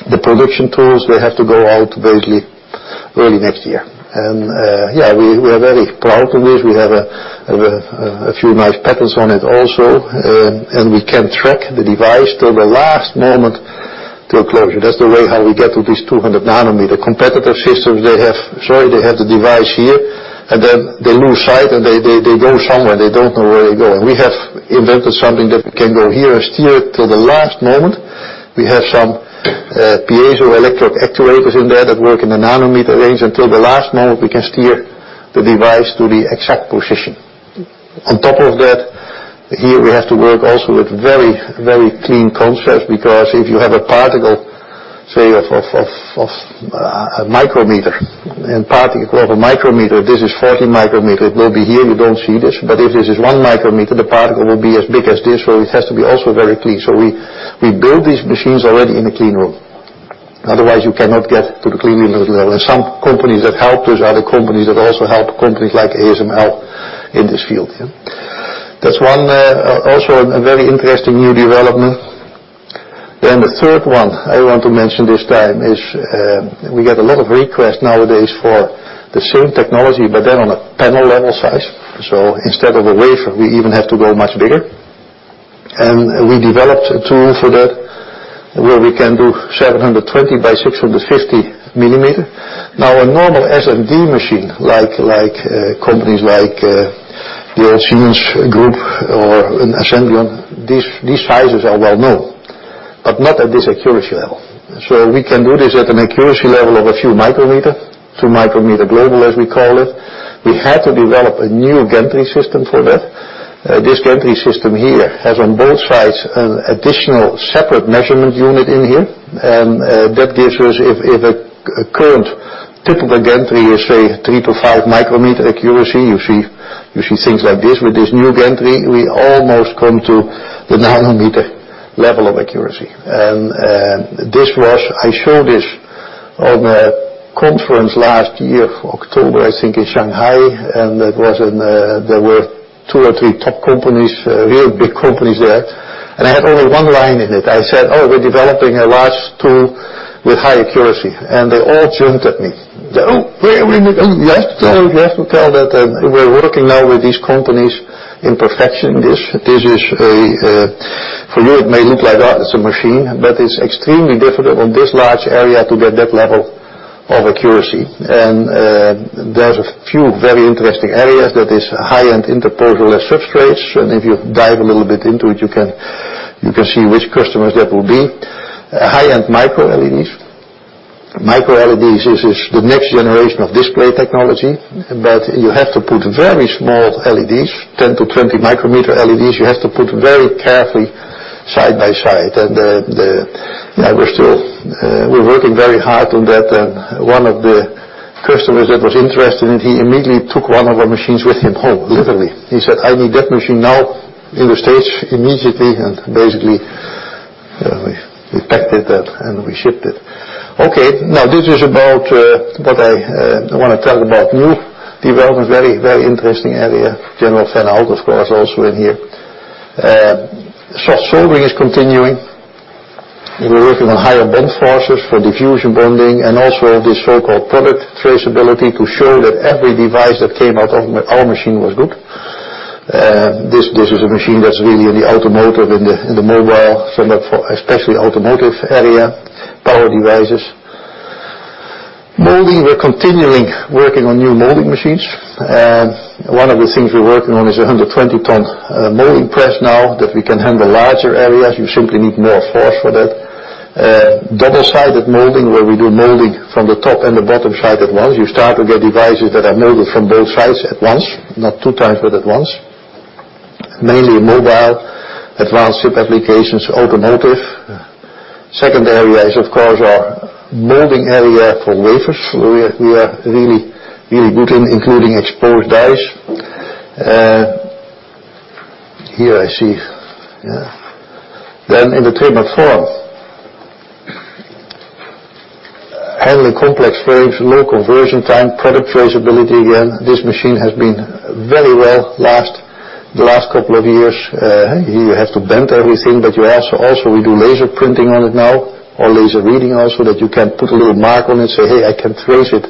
Speaker 2: The production tools, they have to go out basically early next year. Yeah, we are very proud of this. We have a few nice patents on it also, and we can track the device till the last moment till closure. That's the way how we get to this 200 nanometer. Competitive systems, they have the device here, and then they lose sight, and they go somewhere. They don't know where they're going. We have invented something that we can go here and steer it till the last moment. We have some piezoelectric actuators in there that work in the nanometer range. Until the last moment, we can steer the device to the exact position. On top of that, here we have to work also with very, very clean concepts because if you have a particle, say, of a micrometer and particle of a micrometer, this is 40 micrometer. It will be here. You don't see this. If this is 1 micrometer, the particle will be as big as this way. It has to be also very clean. We build these machines already in a clean room. Otherwise, you cannot get to the clean room level. There are some companies that help those other companies, that also help companies like ASML in this field. That's one also a very interesting new development. The third one I want to mention this time is, we get a lot of requests nowadays for the same technology, but then on a panel level size. Instead of a wafer, we even have to go much bigger. We developed a tool for that, where we can do 720 by 650 millimeter. A normal SMD machine, companies like the Siemens group or an Assembleon, these sizes are well-known, but not at this accuracy level. We can do this at an accuracy level of a few micrometers, 2 micrometer global, as we call it. We had to develop a new gantry system for that. This gantry system here has on both sides an additional separate measurement unit in here. That gives us if a current typical gantry is, say, 3-5 micrometer accuracy, you see things like this. With this new gantry, we almost come to the nanometer level of accuracy. I showed this on a conference last year, October, I think, in Shanghai, and there were two or three top companies, real big companies there. I had only one line in it. I said, "Oh, we're developing a large tool with high accuracy." They all jumped at me. "Oh, wait a minute. You have to tell them." We have to tell that we're working now with these companies in perfection. For you, it may look like, oh, it's a machine, but it's extremely difficult on this large area to get that level of accuracy. There's a few very interesting areas that is high-end interposer-less substrates, and if you dive a little bit into it, you can see which customers that will be. High-end MicroLEDs. MicroLEDs is the next generation of display technology, but you have to put very small LEDs, 10-20 micrometer LEDs. You have to put very carefully side by side. We're working very hard on that, and one of the customers that was interested, he immediately took one of our machines with him home, literally. He said, "I need that machine now in the U.S. immediately," basically, we packed it and we shipped it. Okay. This is about what I want to tell about new development. Very interesting area. General fan-out, of course, also in here. Soft soldering is continuing. We're working on higher bend forces for diffusion bonding and also this so-called product traceability to show that every device that came out of our machine was good. This is a machine that's really in the automotive and the mobile, especially automotive area, power devices. Molding, we're continuing working on new molding machines. One of the things we're working on is a 120-ton molding press now that we can handle larger areas. You simply need more force for that. Double-sided molding, where we do molding from the top and the bottom side at once. You start to get devices that are molded from both sides at once, not two times, but at once. Mainly mobile, advanced chip applications, automotive. Second area is, of course, our molding area for wafers. We are really good in including exposed dies. Here, I see. In the trim and form. Handling complex frames, low conversion time, product traceability. Again, this machine has been very well the last couple of years. Here, you have to bend everything, also, we do laser printing on it now or laser reading also that you can put a little mark on it and say, "Hey, I can trace it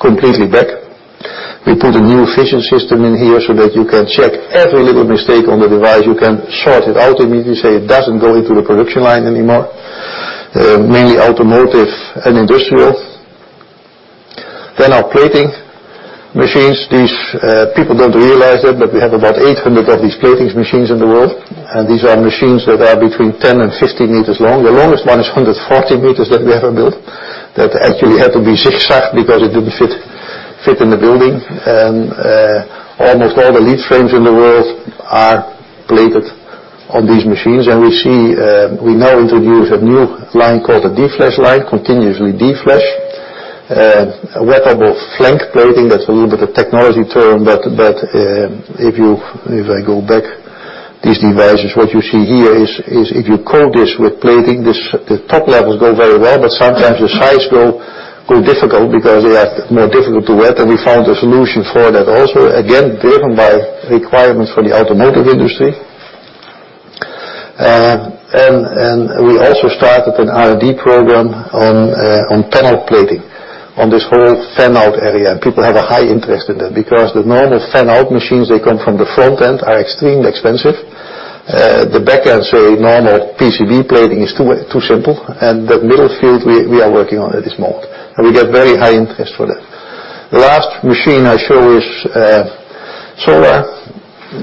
Speaker 2: completely back." We put a new efficient system in here so that you can check every little mistake on the device. You can sort it out immediately, say, it doesn't go into the production line anymore. Mainly automotive and industrial. Our plating machines. People don't realize it, we have about 800 of these platings machines in the world, these are machines that are between 10 and 15 meters long. The longest one is 140 meters that we ever built that actually had to be zigzag because it didn't fit in the building. Almost all the lead frames in the world are plated on these machines. We now introduce a new line called a deflash line, continuously deflash. Wettable flank plating, that's a little bit of technology term, if I go back, these devices, what you see here is if you coat this with plating, the top levels go very well. Sometimes the sides go difficult because they are more difficult to wet, we found a solution for that also. Again, driven by requirements for the automotive industry. We also started an R&D program on panel plating on this whole fan-out area, people have a high interest in that. The normal fan-out machines, they come from the front end, are extremely expensive. The back end, so a normal PCB plating is too simple, that middle field, we are working on it this moment, we get very high interest for that. The last machine I show is solar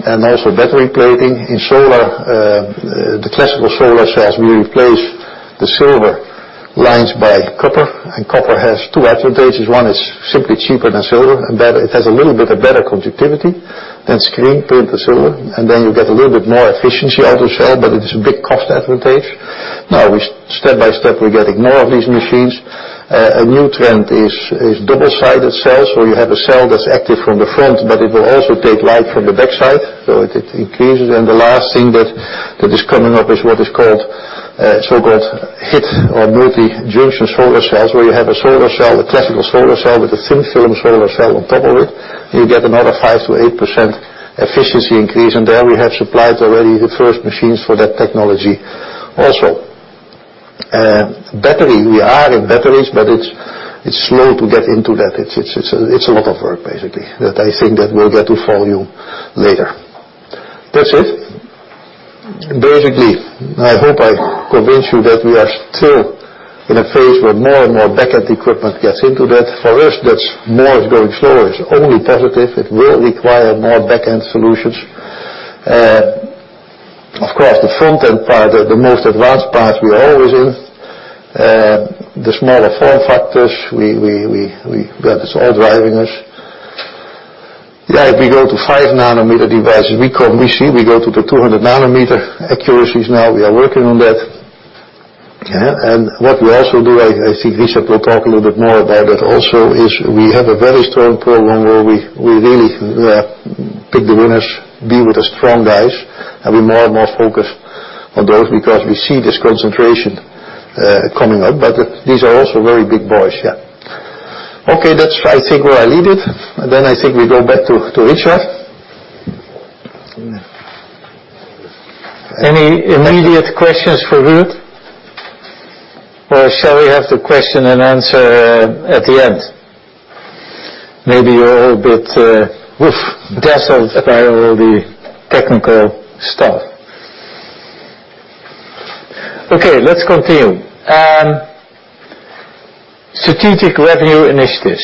Speaker 2: and also battery plating. In solar, the classical solar cells, we replace the silver lines by copper has two advantages. One is simply cheaper than silver, that it has a little bit of better conductivity than screen printed silver, then you get a little bit more efficiency out of the cell, it is a big cost advantage. Step by step, we're getting more of these machines. A new trend is double-sided cells, where you have a cell that's active from the front, it will also take light from the backside, it increases. The last thing that is coming up is what is so-called HIT or multi-junction solar cells, where you have a classical solar cell with a thin film solar cell on top of it. You get another 5%-8% efficiency increase, there we have supplied already the first machines for that technology also. Battery, we are in batteries, it's slow to get into that. It's a lot of work, basically, that I think that will get to volume later. That's it. Basically, I hope I convince you that we are still in a phase where more and more backend equipment gets into that. For us, that's more is going slower. It's only positive. It will require more backend solutions. Of course, the front-end part are the most advanced part we are always in. The smaller form factors, that is all driving us. If we go to 5-nanometer devices, we see we go to the 200 nanometer accuracies now. We are working on that. What we also do, I think Richard will talk a little bit more about that also, is we have a very strong program where we really pick the winners, be with the strong guys, we more and more focus on those we see this concentration coming up. These are also very big boys. That's where I think I leave it, then I think we go back to Richard.
Speaker 1: Any immediate questions for Ruurd? Shall we have the question and answer at the end? Maybe you're all a bit dazzled by all the technical stuff. Okay, let's continue. Strategic revenue initiatives.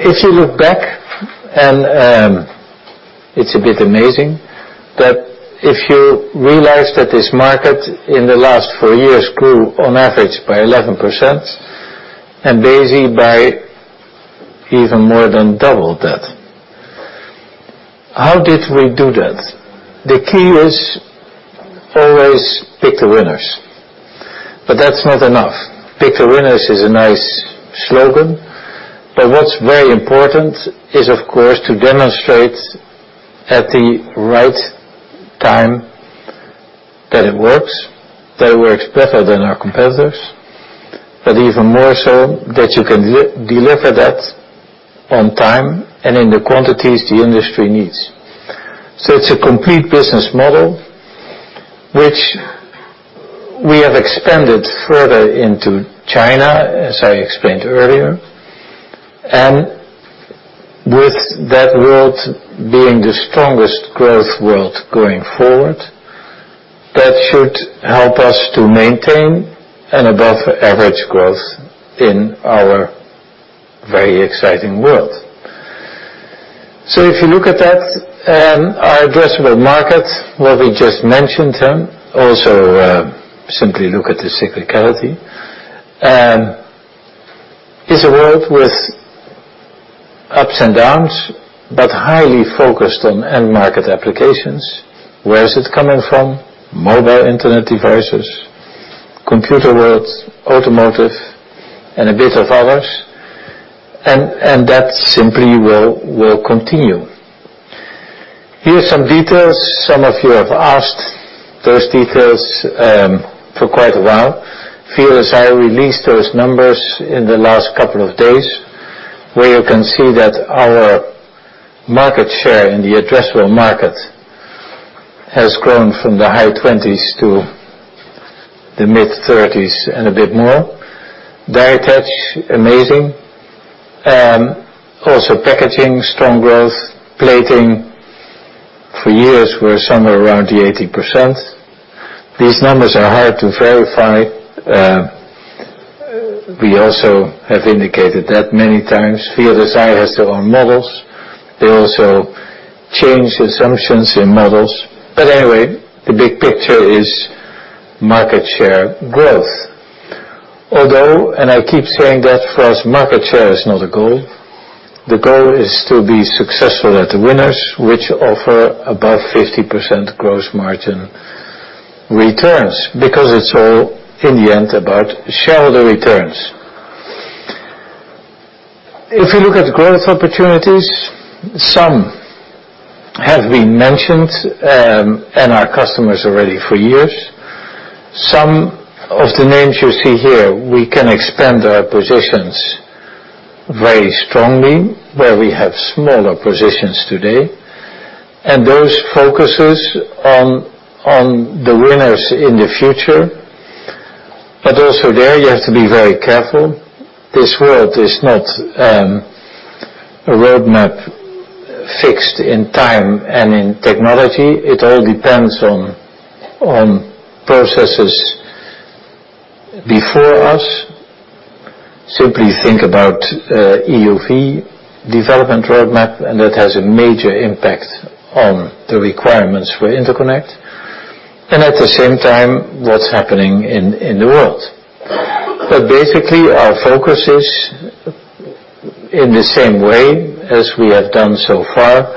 Speaker 1: If you look back, it's a bit amazing, but if you realize that this market in the last four years grew on average by 11%, and Besi by even more than double that. How did we do that? The key is always pick the winners. That's not enough. Pick the winners is a nice slogan, what's very important is, of course, to demonstrate at the right time that it works, that it works better than our competitors, but even more so that you can deliver that on time and in the quantities the industry needs. It's a complete business model, which we have expanded further into China, as I explained earlier. With that world being the strongest growth world going forward, that should help us to maintain an above average growth in our very exciting world. If you look at that, our addressable market, what we just mentioned, also simply look at the cyclicality. It's a world with ups and downs, highly focused on end market applications. Where is it coming from? Mobile internet devices, computer worlds, automotive, and a bit of others. That simply will continue. Here are some details. Some of you have asked those details for quite a while. Viavi released those numbers in the last couple of days, where you can see that our market share in the addressable market has grown from the high 20s to the mid-30s and a bit more. Die attach, amazing. Also packaging, strong growth. Plating for years were somewhere around the 80%. These numbers are hard to verify. We also have indicated that many times. Viavi has their own models. They also change assumptions in models. Anyway, the big picture is market share growth. Although, and I keep saying that for us, market share is not a goal. The goal is to be successful at the winners, which offer above 50% gross margin returns, because it's all in the end about shareholder returns. If you look at growth opportunities, some have been mentioned, our customers already for years. Some of the names you see here, we can expand our positions very strongly where we have smaller positions today, those focuses on the winners in the future. Also there, you have to be very careful. This world is not a roadmap fixed in time and in technology. It all depends on processes before us. Simply think about EUV development roadmap, that has a major impact on the requirements for interconnect, at the same time, what's happening in the world. Basically, our focus is in the same way as we have done so far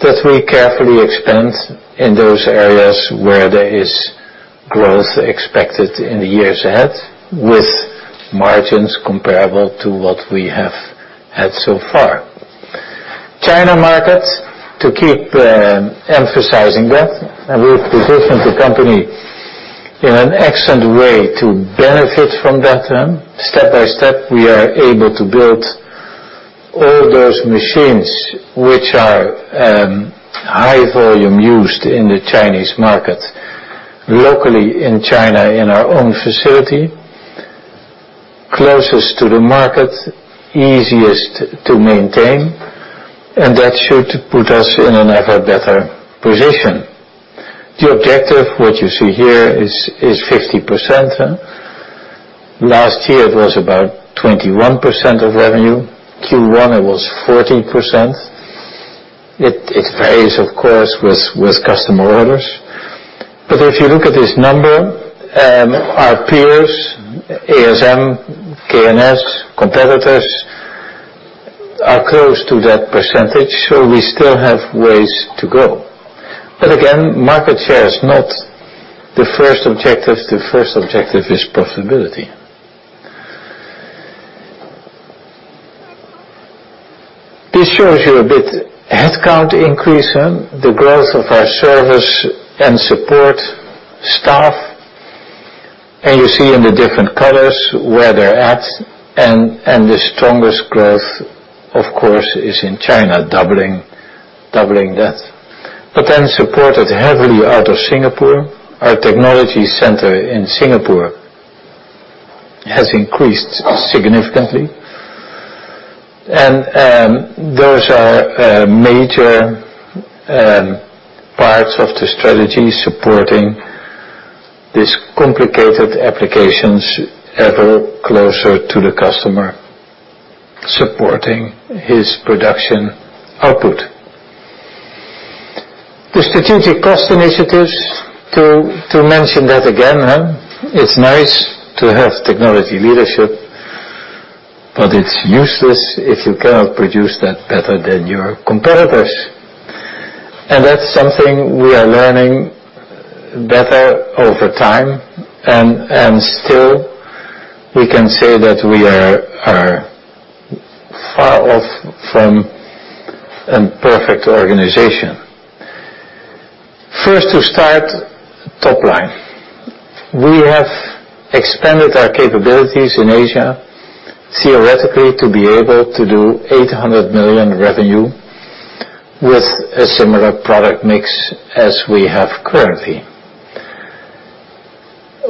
Speaker 1: that we carefully expand in those areas where there is growth expected in the years ahead, with margins comparable to what we have had so far. China market, to keep emphasizing that, we have positioned the company in an excellent way to benefit from that. Step by step, we are able to build all those machines, which are high volume used in the Chinese market, locally in China, in our own facility, closest to the market, easiest to maintain, that should put us in an ever better position. The objective, what you see here, is 50%. Last year it was about 21% of revenue. Q1, it was 14%. It varies, of course, with customer orders. If you look at this number, our peers, ASM, KNS, competitors, are close to that percentage, so we still have ways to go. Again, market share is not the first objective. The first objective is profitability. This shows you a bit headcount increase, the growth of our service and support staff. You see in the different colors where they're at and the strongest growth, of course, is in China, doubling that. Supported heavily out of Singapore. Our technology center in Singapore has increased significantly, and those are major parts of the strategy supporting these complicated applications ever closer to the customer, supporting his production output. The strategic cost initiatives, to mention that again, it's nice to have technology leadership, it's useless if you cannot produce that better than your competitors. That's something we are learning better over time, and still, we can say that we are far off from a perfect organization. First to start, top line. We have expanded our capabilities in Asia, theoretically, to be able to do 800 million revenue with a similar product mix as we have currently.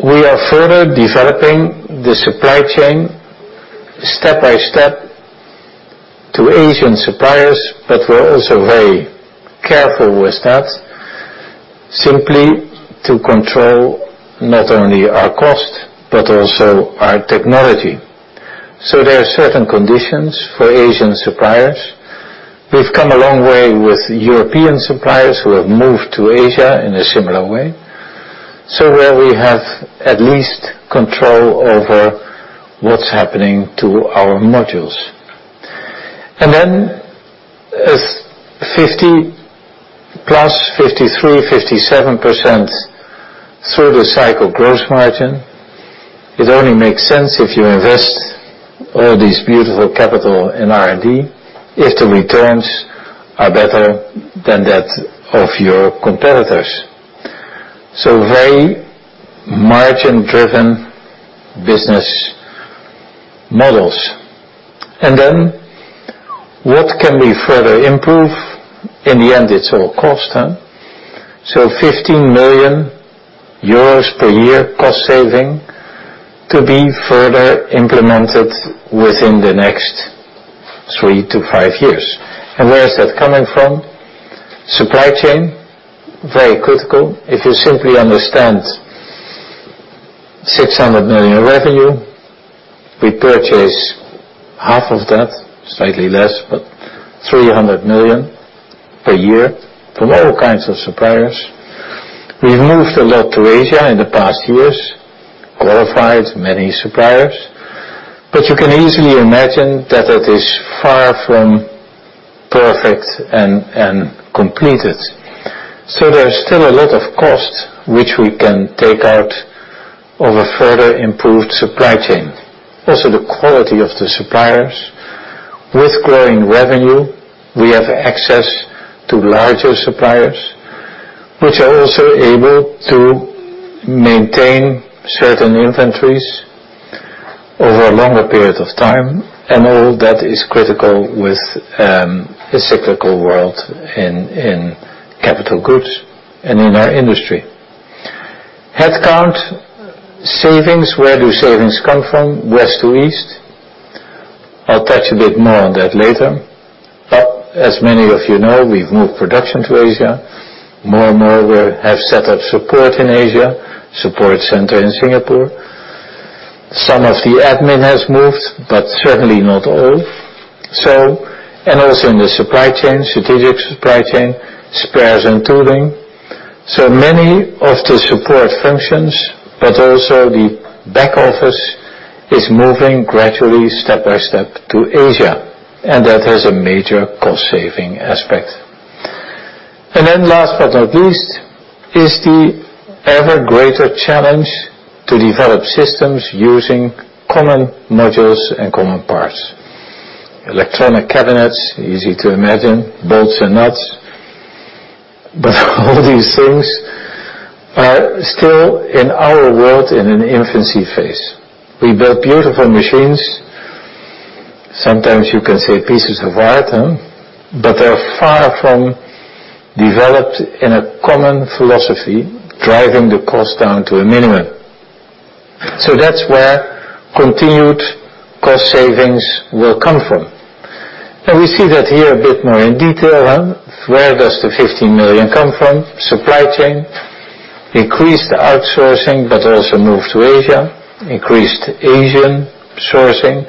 Speaker 1: We are further developing the supply chain step-by-step to Asian suppliers, but we're also very careful with that, simply to control not only our cost, but also our technology. There are certain conditions for Asian suppliers. We've come a long way with European suppliers who have moved to Asia in a similar way. Where we have at least control over what's happening to our modules. As 50% plus 53%, 57% through the cycle gross margin, it only makes sense if you invest all this beautiful capital in R&D if the returns are better than that of your competitors. Very margin-driven business models. What can we further improve? In the end, it's all cost. 15 million euros per year cost saving to be further implemented within the next 3 to 5 years. Where is that coming from? Supply chain, very critical. If you simply understand 600 million revenue, we purchase half of that, slightly less, but 300 million per year from all kinds of suppliers. We've moved a lot to Asia in the past years, qualified many suppliers, but you can easily imagine that it is far from perfect and completed. There's still a lot of cost which we can take out of a further improved supply chain. Also, the quality of the suppliers. With growing revenue, we have access to larger suppliers, which are also able to maintain certain inventories over a longer period of time, and all that is critical with a cyclical world in capital goods and in our industry. Headcount savings, where do savings come from? West to East. I'll touch a bit more on that later. As many of you know, we've moved production to Asia. More and more, we have set up support in Asia, support center in Singapore. Some of the admin has moved, but certainly not all. Also in the supply chain, strategic supply chain, spares and tooling. Many of the support functions, also the back office, is moving gradually step by step to Asia, that has a major cost-saving aspect. Last but not least is the ever greater challenge to develop systems using common modules and common parts. Electronic cabinets, easy to imagine, bolts and nuts. All these things are still in our world in an infancy phase. We build beautiful machines. Sometimes you can say pieces of art. They are far from developed in a common philosophy, driving the cost down to a minimum. That's where continued cost savings will come from. We see that here a bit more in detail. Where does the 15 million come from? Supply chain, increased outsourcing, but also move to Asia, increased Asian sourcing,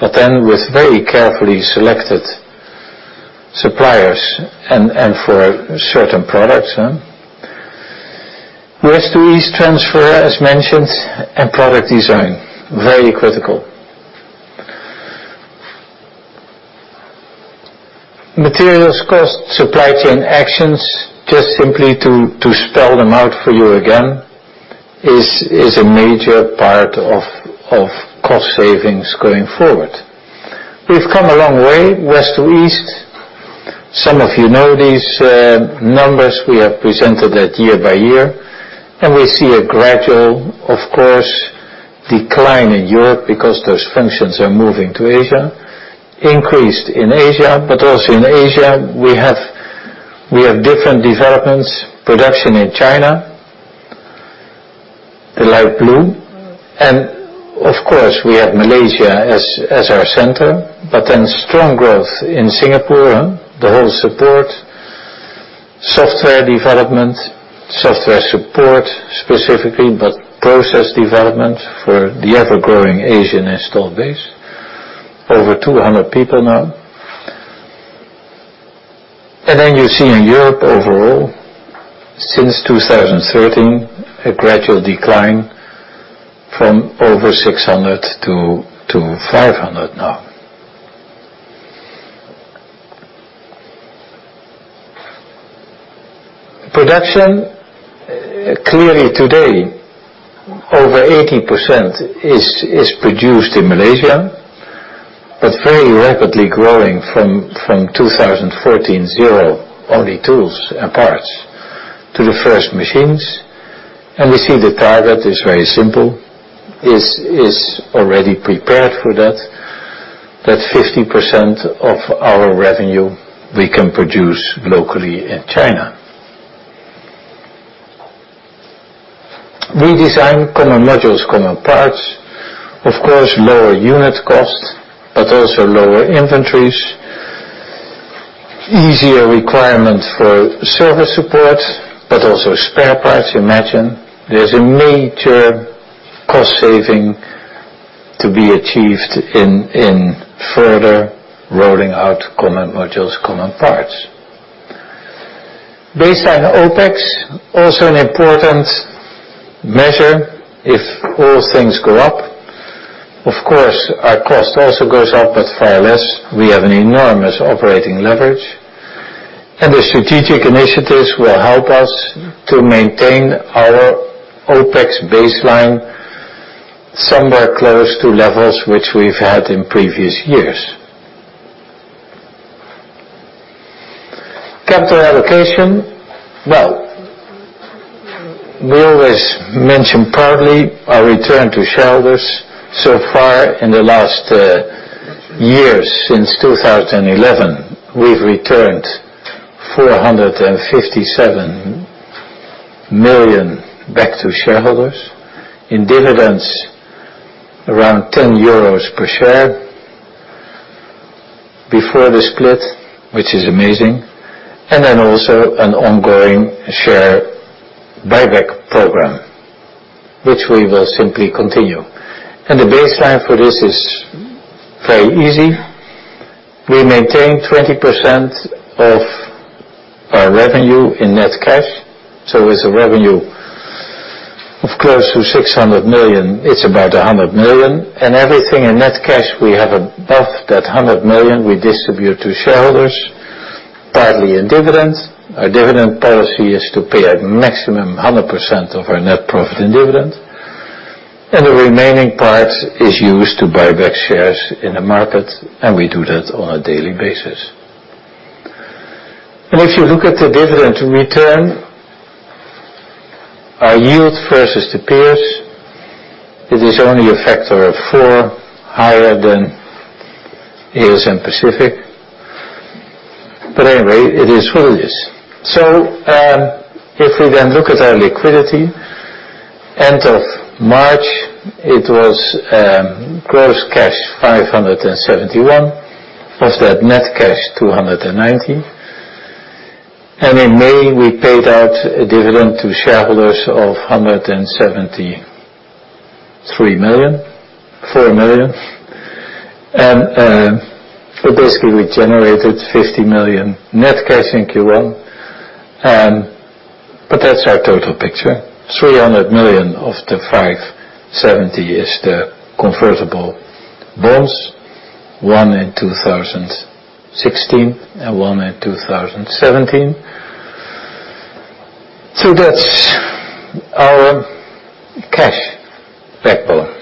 Speaker 1: but then with very carefully selected suppliers and for certain products. West to east transfer, as mentioned, and product design, very critical. Materials cost, supply chain actions, just simply to spell them out for you again, is a major part of cost savings going forward. We've come a long way, west to east. Some of you know these numbers. We have presented that year-by-year, and we see a gradual, of course, decline in Europe because those functions are moving to Asia, increased in Asia. Also in Asia, we have different developments, production in China, the light blue. Of course we have Malaysia as our center, but then strong growth in Singapore. The whole support, software development, software support specifically, but process development for the ever-growing Asian installed base. Over 200 people now. You see in Europe overall, since 2013, a gradual decline from over 600 to 500 now. Production, clearly today, over 80% is produced in Malaysia, but very rapidly growing from 2014, zero, only tools and parts, to the first machines. We see the target is very simple, is already prepared for that 50% of our revenue we can produce locally in China. Redesign common modules, common parts. Of course, lower unit cost, but also lower inventories, easier requirements for service support, but also spare parts. Imagine there's a major cost saving to be achieved in further rolling out common modules, common parts. Baseline OpEx, also an important measure if all things go up. Of course, our cost also goes up, but far less. We have an enormous operating leverage, and the strategic initiatives will help us to maintain our OpEx baseline somewhere close to levels which we've had in previous years. Capital allocation. We always mention partly our return to shareholders. Far in the last years, since 2011, we've returned 457 million back to shareholders in dividends, around 10 euros per share before the split, which is amazing, also an ongoing share buyback program, which we will simply continue. The baseline for this is very easy. We maintain 20% of our revenue in net cash. With a revenue of close to 600 million, it's about 100 million. Everything in net cash we have above that 100 million we distribute to shareholders, partly in dividends. Our dividend policy is to pay a maximum 100% of our net profit in dividend, and the remaining part is used to buy back shares in the market, and we do that on a daily basis. If you look at the dividend return, our yield versus the peers, it is only a factor of four higher than ASM Pacific Technology. Anyway, it is what it is. If we then look at our liquidity, end of March, it was gross cash 571 million. Of that, net cash 290 million. In May, we paid out a dividend to shareholders of [170.4 million], and basically, we generated 50 million net cash in Q1. That's our total picture. 300 million of the 570 million is the convertible bonds, one in 2016 and one in 2017. That's our cash backbone.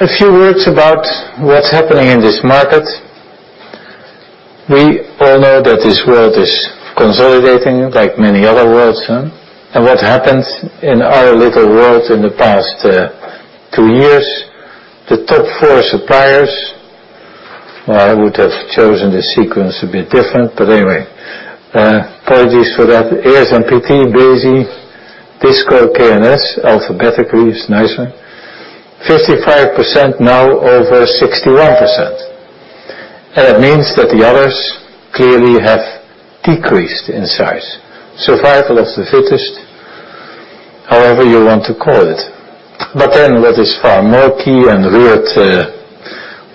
Speaker 1: A few words about what's happening in this market. We all know that this world is consolidating like many other worlds. What happened in our little world in the past two years, the top four suppliers, while I would have chosen this sequence a bit different, anyway. Apologies for that. ASML, ASM PT, Besi, DISCO, Kulicke & Soffa, alphabetically is nicer. 55% now over 61%. It means that the others clearly have decreased in size. Survival of the fittest, however you want to call it. What is far more key, and Ruurd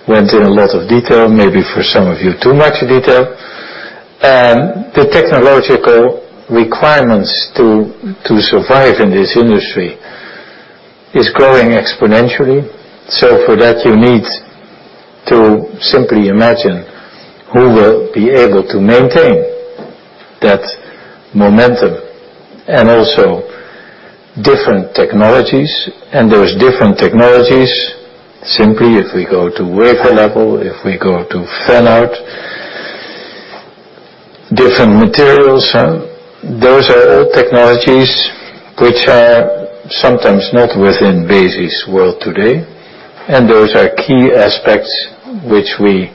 Speaker 1: went in a lot of detail, maybe for some of you too much detail. The technological requirements to survive in this industry is growing exponentially. For that, you need to simply imagine who will be able to maintain that momentum and also different technologies. There is different technologies. Simply if we go to wafer level, if we go to fan-out, different materials. Those are all technologies which are sometimes not within Besi's world today, and those are key aspects which we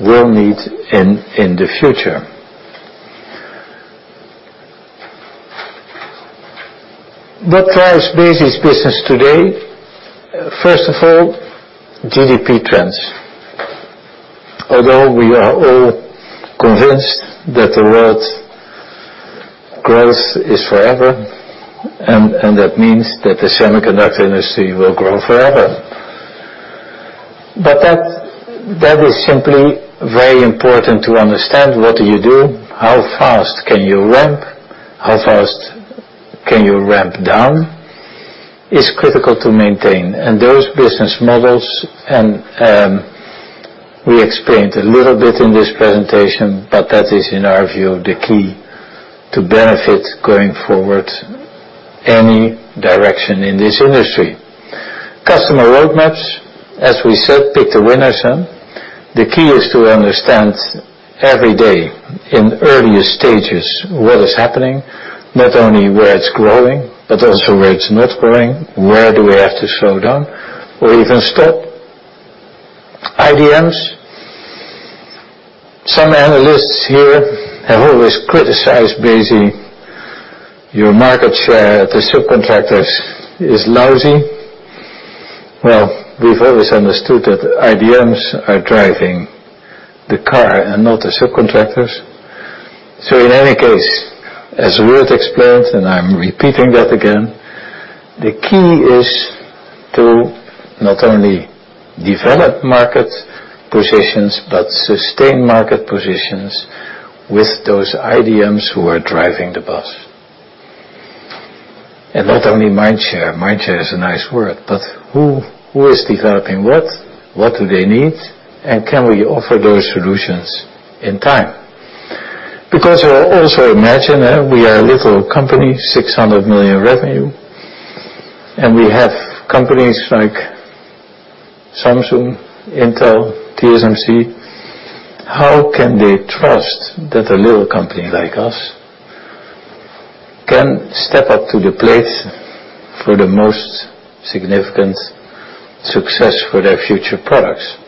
Speaker 1: will need in the future. What drives Besi's business today? First of all, GDP trends. Although we are all convinced that the world's growth is forever, that means that the semiconductor industry will grow forever. That is simply very important to understand what do you do, how fast can you ramp, how fast can you ramp down, is critical to maintain. Those business models, we explained a little bit in this presentation, that is in our view, the key to benefit going forward any direction in this industry. Customer roadmaps, as we said, pick the winners. The key is to understand every day in the earliest stages what is happening, not only where it's growing, but also where it's not growing. Where do we have to slow down or even stop? IDMs. Some analysts here have always criticized Besi. "Your market share at the subcontractors is lousy." We've always understood that IDMs are driving the car and not the subcontractors. In any case, as Ruurd explained, I'm repeating that again, the key is to not only develop market positions but sustain market positions with those IDMs who are driving the bus. Not only mindshare. Mindshare is a nice word, who is developing what? What do they need? Can we offer those solutions in time? You will also imagine that we are a little company, 600 million revenue, we have companies like Samsung, Intel, TSMC. How can they trust that a little company like us can step up to the plate for the most significant success for their future products?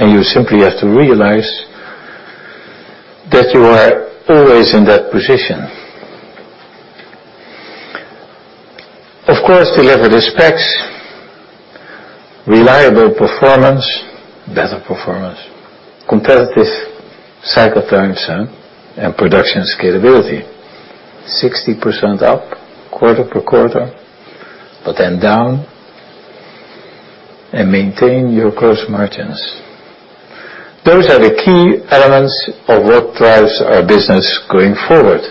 Speaker 1: You simply have to realize that you are always in that position. Of course deliver the specs, reliable performance, better performance, competitive cycle times, production scalability. 60% up quarter per quarter, then down and maintain your gross margins. Those are the key elements of what drives our business going forward.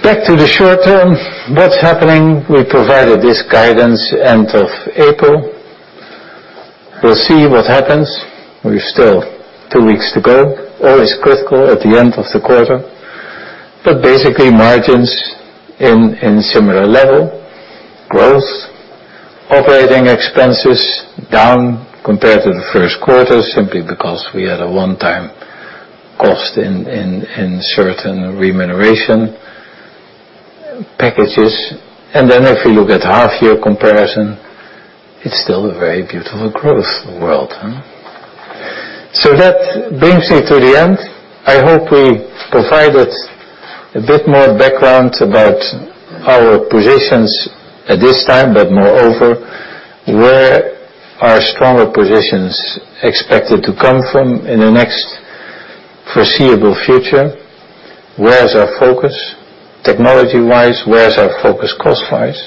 Speaker 1: Back to the short term, what's happening? We provided this guidance end of April. We'll see what happens. We still have two weeks to go. Always critical at the end of the quarter. Basically, margins in similar level. Growth, operating expenses down compared to the first quarter simply because we had a one-time cost in certain remuneration packages. If you look at half-year comparison, it's still a very beautiful growth world. That brings me to the end. I hope we provided a bit more background about our positions at this time, but moreover, where are stronger positions expected to come from in the next foreseeable future? Where is our focus technology-wise? Where is our focus cost-wise?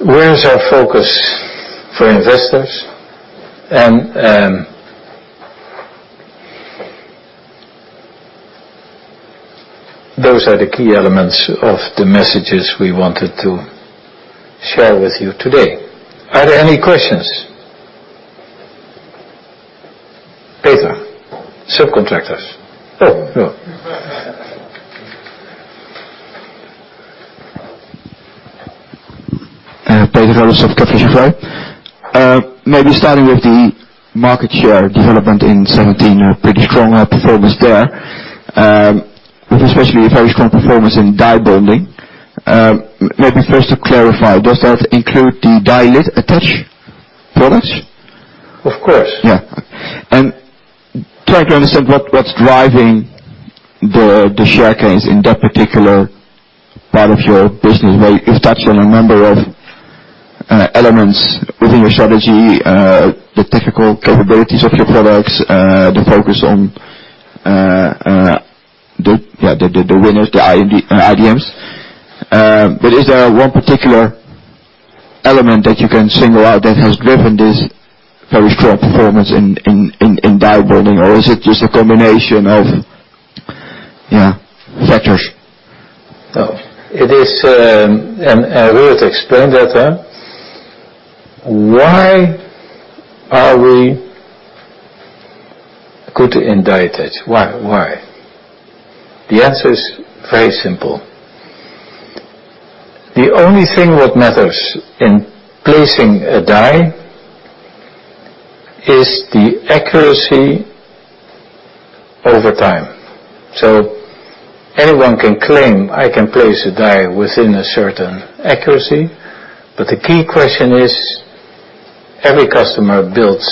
Speaker 1: Where is our focus for investors? Those are the key elements of the messages we wanted to share with you today. Are there any questions? Peter, subcontractors. Oh, no.
Speaker 3: Peter of Jefferies. Maybe starting with the market share development in 2017. A pretty strong performance there, with especially a very strong performance in die bonding. Maybe first to clarify, does that include the die-attach products?
Speaker 1: Of course.
Speaker 3: Trying to understand what's driving the share gains in that particular part of your business. Well, you've touched on a number of elements within your strategy, the technical capabilities of your products, the focus on the winners, the IDMs. Is there one particular element that you can single out that has driven this very strong performance in die bonding? Is it just a combination of factors?
Speaker 1: No. I will explain that. Why are we good in die-attach? Why? The answer is very simple. The only thing that matters in placing a die is the accuracy over time. Anyone can claim, "I can place a die within a certain accuracy," but the key question is, every customer builds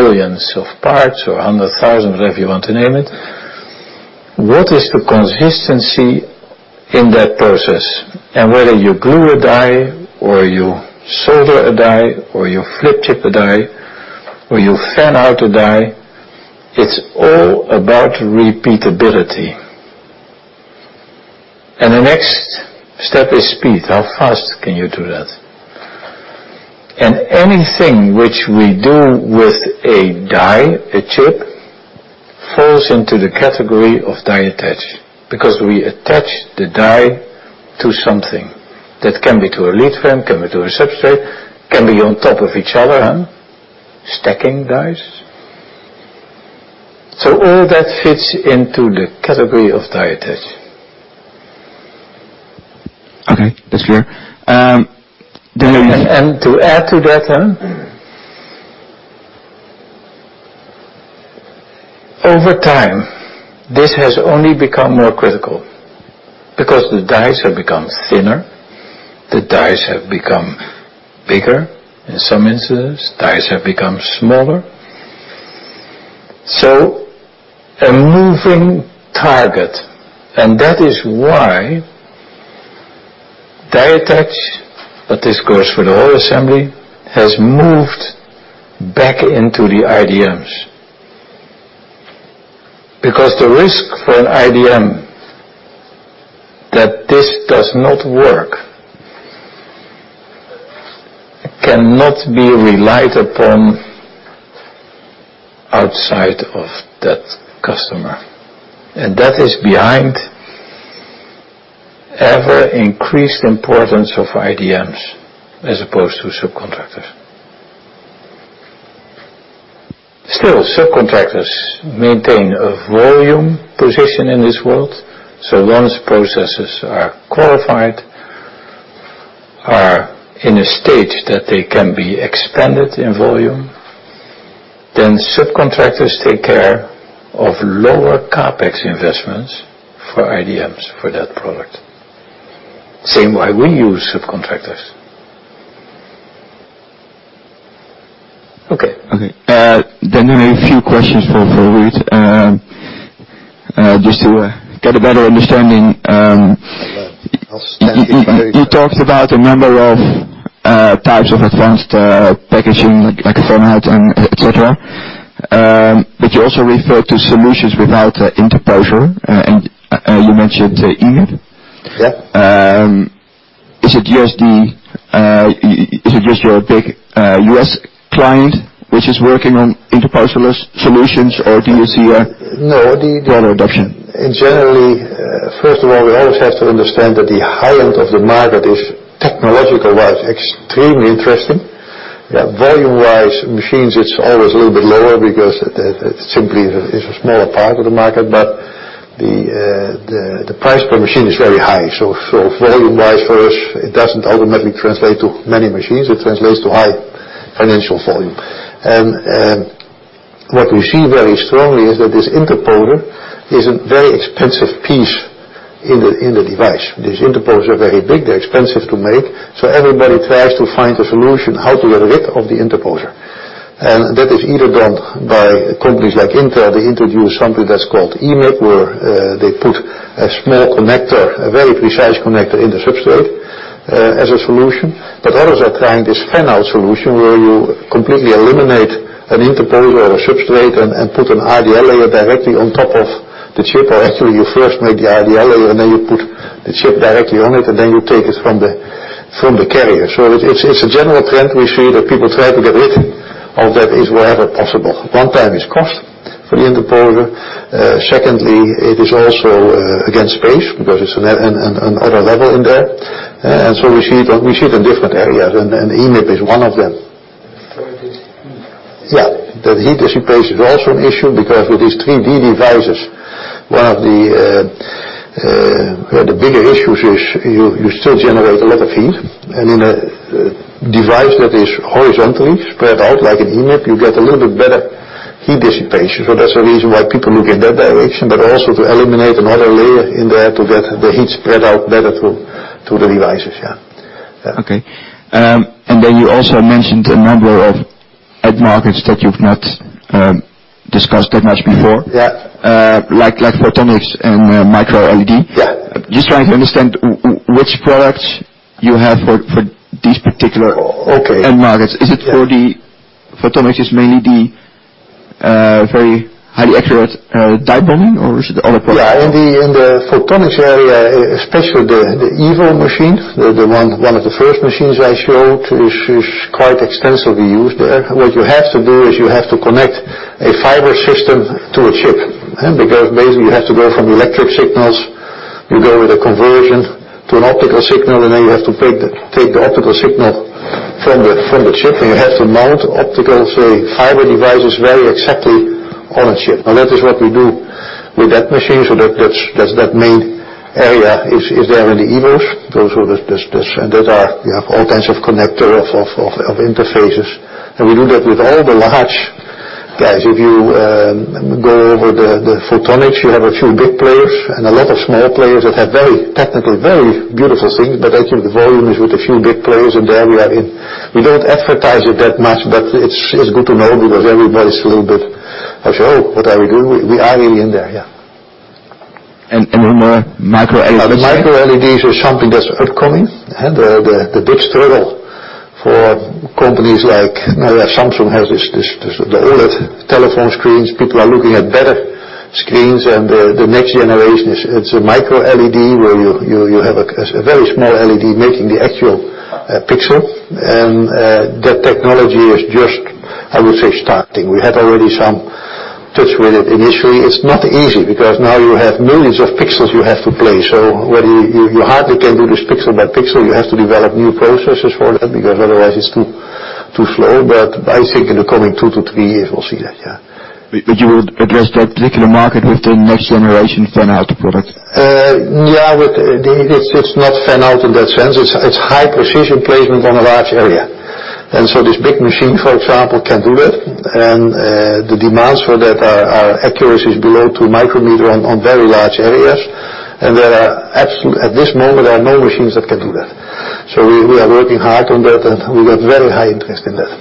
Speaker 1: millions of parts or 100,000, whatever you want to name it. What is the consistency in that process? Whether you glue a die or you solder a die or you flip-chip a die or you fan-out a die, it's all about repeatability. The next step is speed. How fast can you do that? Anything which we do with a die, a chip, falls into the category of die-attach, because we attach the die to something. That can be to a leadframe, can be to a substrate, can be on top of each other, stacking dies. All that fits into the category of die-attach.
Speaker 3: Okay. That's clear.
Speaker 1: To add to that, over time, this has only become more critical because the dies have become thinner, the dies have become bigger in some instances, dies have become smaller. A moving target. That is why die attach, but this goes for the whole assembly, has moved back into the IDMs. Because the risk for an IDM that this does not work, cannot be relied upon outside of that customer. That is behind ever increased importance of IDMs as opposed to subcontractors. Still, subcontractors maintain a volume position in this world. Once processes are qualified, are in a state that they can be expanded in volume, then subcontractors take care of lower CapEx investments for IDMs for that product. Same why we use subcontractors.
Speaker 3: Okay. I have a few questions for Ruurd, just to get a better understanding.
Speaker 1: I'll stand behind.
Speaker 3: You talked about a number of types of advanced packaging, like a fan-out and et cetera. You also referred to solutions without interposer, and you mentioned InFO.
Speaker 1: Yeah.
Speaker 3: Is it just your big U.S. client which is working on interposer-less solutions, or do you see
Speaker 1: No,
Speaker 3: broader adoption?
Speaker 1: Generally, first of all, we always have to understand that the high end of the market is technologically extremely interesting. Volume-wise, machines, it's always a little bit lower because it simply is a smaller part of the market, but the price per machine is very high. Volume-wise for us, it doesn't automatically translate to many machines. It translates to high financial volume. What we see very strongly is that this interposer is a very expensive piece in the device. These interposers are very big. They're expensive to make. Everybody tries to find a solution how to get rid of the interposer.
Speaker 2: That is either done by companies like Intel. They introduce something that is called EMIB, where they put a small connector, a very precise connector in the substrate as a solution. Others are trying this fan-out solution, where you completely eliminate an interposer or a substrate and put a RDL layer directly on top of the chip. Actually, you first make the RDL layer, and then you put the chip directly on it, and then you take it from the carrier. It's a general trend we see that people try to get rid of that is wherever possible. One time is cost for the interposer. Secondly, it is also against space because it's another level in there. We see it in different areas, and EMIB is one of them.
Speaker 3: It is heat.
Speaker 2: Yeah. The heat dissipation is also an issue because with these 3D devices, one of the bigger issues is you still generate a lot of heat. In a device that is horizontally spread out like an EMIB, you get a little bit better heat dissipation. That's the reason why people look in that direction, but also to eliminate another layer in there to get the heat spread out better to the devices. Yeah.
Speaker 3: Okay. You also mentioned a number of end markets that you've not discussed that much before.
Speaker 2: Yeah.
Speaker 3: Like photonics and MicroLED.
Speaker 2: Yeah.
Speaker 3: Just trying to understand which products you have for these particular.
Speaker 2: Okay
Speaker 3: end markets. Is it for the photonics is mainly the very highly accurate die bonding, or is it other products?
Speaker 2: Yeah, in the photonics area, especially the EVO machine, one of the first machines I showed, is quite extensively used there. What you have to do is you have to connect a fiber system to a chip because basically, you have to go from electric signals, you go with a conversion to an optical signal, then you have to take the optical signal from the chip, and you have to mount optical, say, fiber devices, very exactly on a chip. Now, that is what we do with that machine, so that main area is there in the EVOs. Those are the that have all kinds of connector of interfaces. We do that with all the large guys. If you go over the photonics, you have a few big players and a lot of small players that have technically very beautiful things, but actually, the volume is with a few big players, and there we are in. We don't advertise it that much, but it's good to know because everybody's a little bit, "Oh, what are we doing?" We are really in there, yeah.
Speaker 3: The MicroLEDs?
Speaker 2: The MicroLEDs are something that's upcoming, the [inaudible] for companies like-- Now that Samsung has this, the OLED telephone screens. People are looking at better screens, the next generation is a MicroLED, where you have a very small LED making the actual pixel. That technology is just, I would say, starting. We had already some touch with it initially. It's not easy because now you have millions of pixels you have to place. You hardly can do this pixel by pixel. You have to develop new processes for that because otherwise, it's too slow. I think in the coming two to three years, we'll see that, yeah.
Speaker 3: You would address that particular market with the next generation fan-out product?
Speaker 2: Yeah, it's not fan-out in that sense. It's high precision placement on a large area. This big machine, for example, can do that. The demands for that are accuracies below two micrometer on very large areas. At this moment, there are no machines that can do that. We are working hard on that, and we got very high interest in that.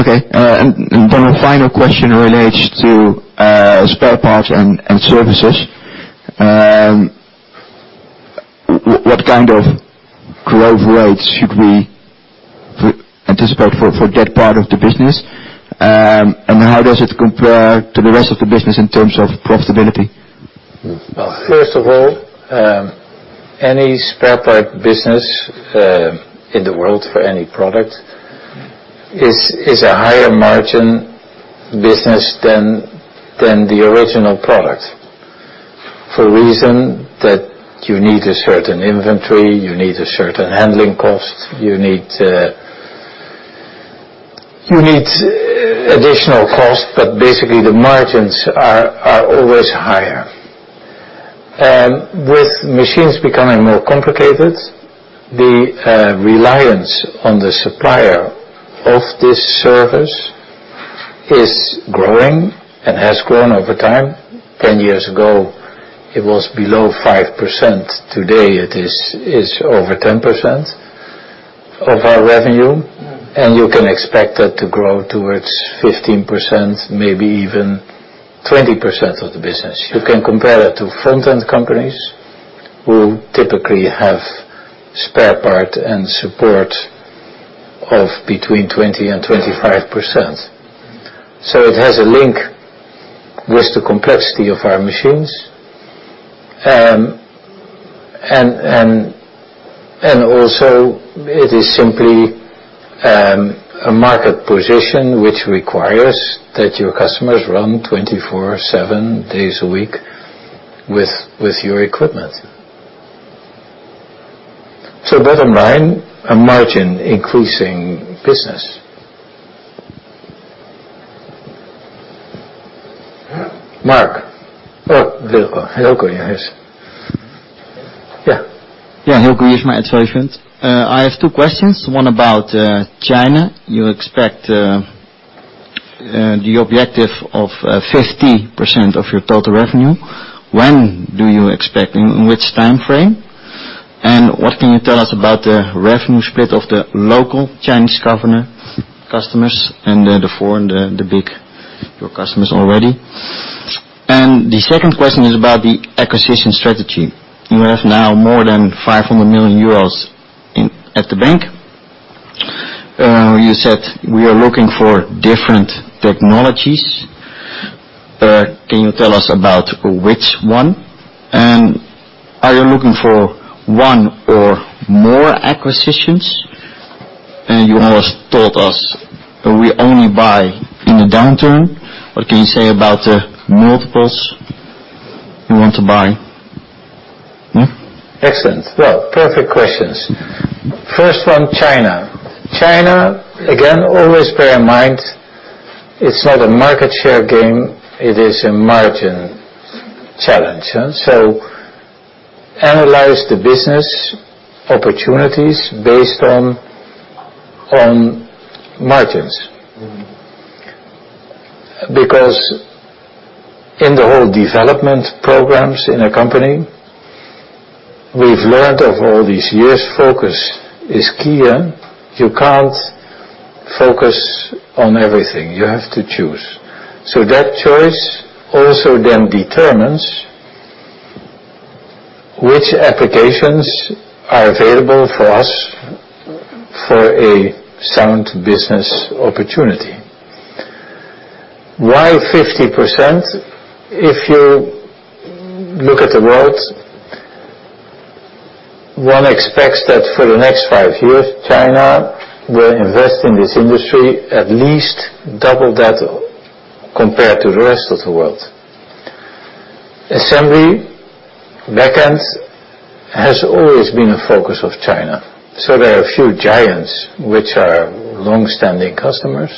Speaker 3: Okay. A final question relates to spare parts and services. What kind of growth rates should we anticipate for that part of the business? How does it compare to the rest of the business in terms of profitability?
Speaker 1: Well, first of all, any spare part business in the world for any product is a higher margin business than the original product. For a reason that you need a certain inventory, you need a certain handling cost. You need additional cost, but basically, the margins are always higher. With machines becoming more complicated, the reliance on the supplier of this service is growing and has grown over time. 10 years ago, it was below 5%. Today, it is over 10% of our revenue, and you can expect that to grow towards 15%, maybe even 20% of the business. You can compare that to front-end companies who typically have spare part and support of between 20% and 25%. It has a link with the complexity of our machines. It is simply a market position which requires that your customers run 24/7, days a week with your equipment. Bottom line, a margin-increasing business. Marc. Oh, Hilco. Hilco, yes. Yeah.
Speaker 4: Yeah, Hilco. I have two questions, one about China. You expect the objective of 50% of your total revenue. When do you expect and which time frame? What can you tell us about the revenue split of the local Chinese customers and the foreign, your big customers already. The second question is about the acquisition strategy. You have now more than 500 million euros at the bank. You said we are looking for different technologies. Can you tell us about which one? Are you looking for one or more acquisitions? You always told us we only buy in the downturn. What can you say about the multiples you want to buy?
Speaker 1: Excellent. Well, perfect questions. First one, China. China, again, always bear in mind, it's not a market share game, it is a margin challenge. Analyze the business opportunities based on margins. Because in the whole development programs in a company, we've learned over all these years, focus is key. You can't focus on everything. You have to choose. That choice also then determines which applications are available for us for a sound business opportunity. Why 50%? If you look at the world, one expects that for the next five years, China will invest in this industry at least double that compared to the rest of the world. Assembly backend has always been a focus of China. There are a few giants which are longstanding customers.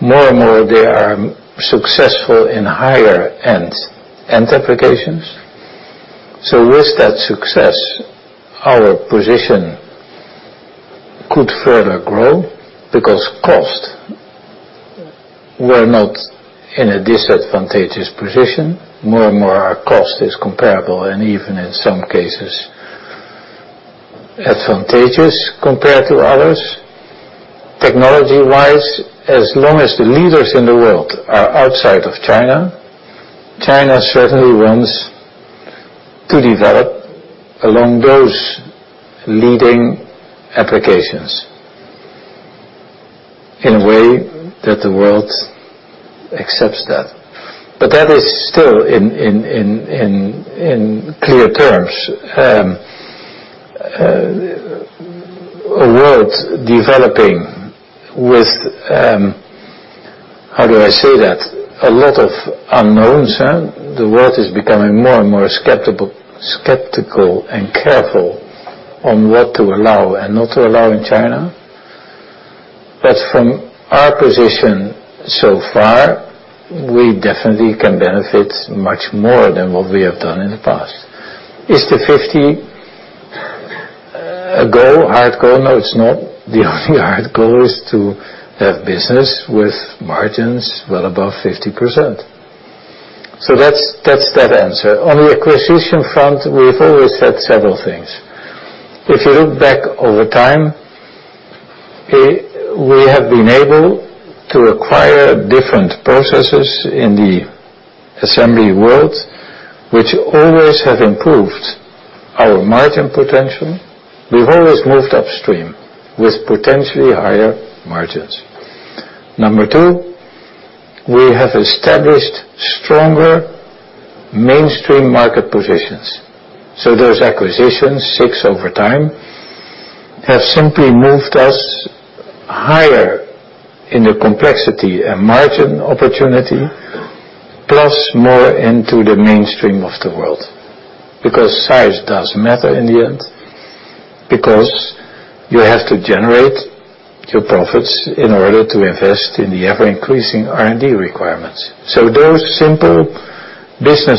Speaker 1: More and more, they are successful in higher-end applications. With that success, our position could further grow because cost, we're not in a disadvantageous position. More and more, our cost is comparable and even in some cases, advantageous compared to others. Technology-wise, as long as the leaders in the world are outside of China certainly wants to develop along those leading applications in a way that the world accepts that. That is still, in clear terms, a world developing with, how do I say that? A lot of unknowns. The world is becoming more and more skeptical and careful on what to allow and not to allow in China. From our position so far, we definitely can benefit much more than what we have done in the past. Is the 50 a goal, hardcore? No, it's not. The only hardcore is to have business with margins well above 50%. That's that answer. On the acquisition front, we've always said several things. If you look back over time, we have been able to acquire different processes in the assembly world, which always have improved our margin potential. We've always moved upstream with potentially higher margins. Number two, we have established stronger mainstream market positions. Those acquisitions, six over time, have simply moved us higher in the complexity and margin opportunity, plus more into the mainstream of the world. Because size does matter in the end, because you have to generate your profits in order to invest in the ever-increasing R&D requirements. Those simple business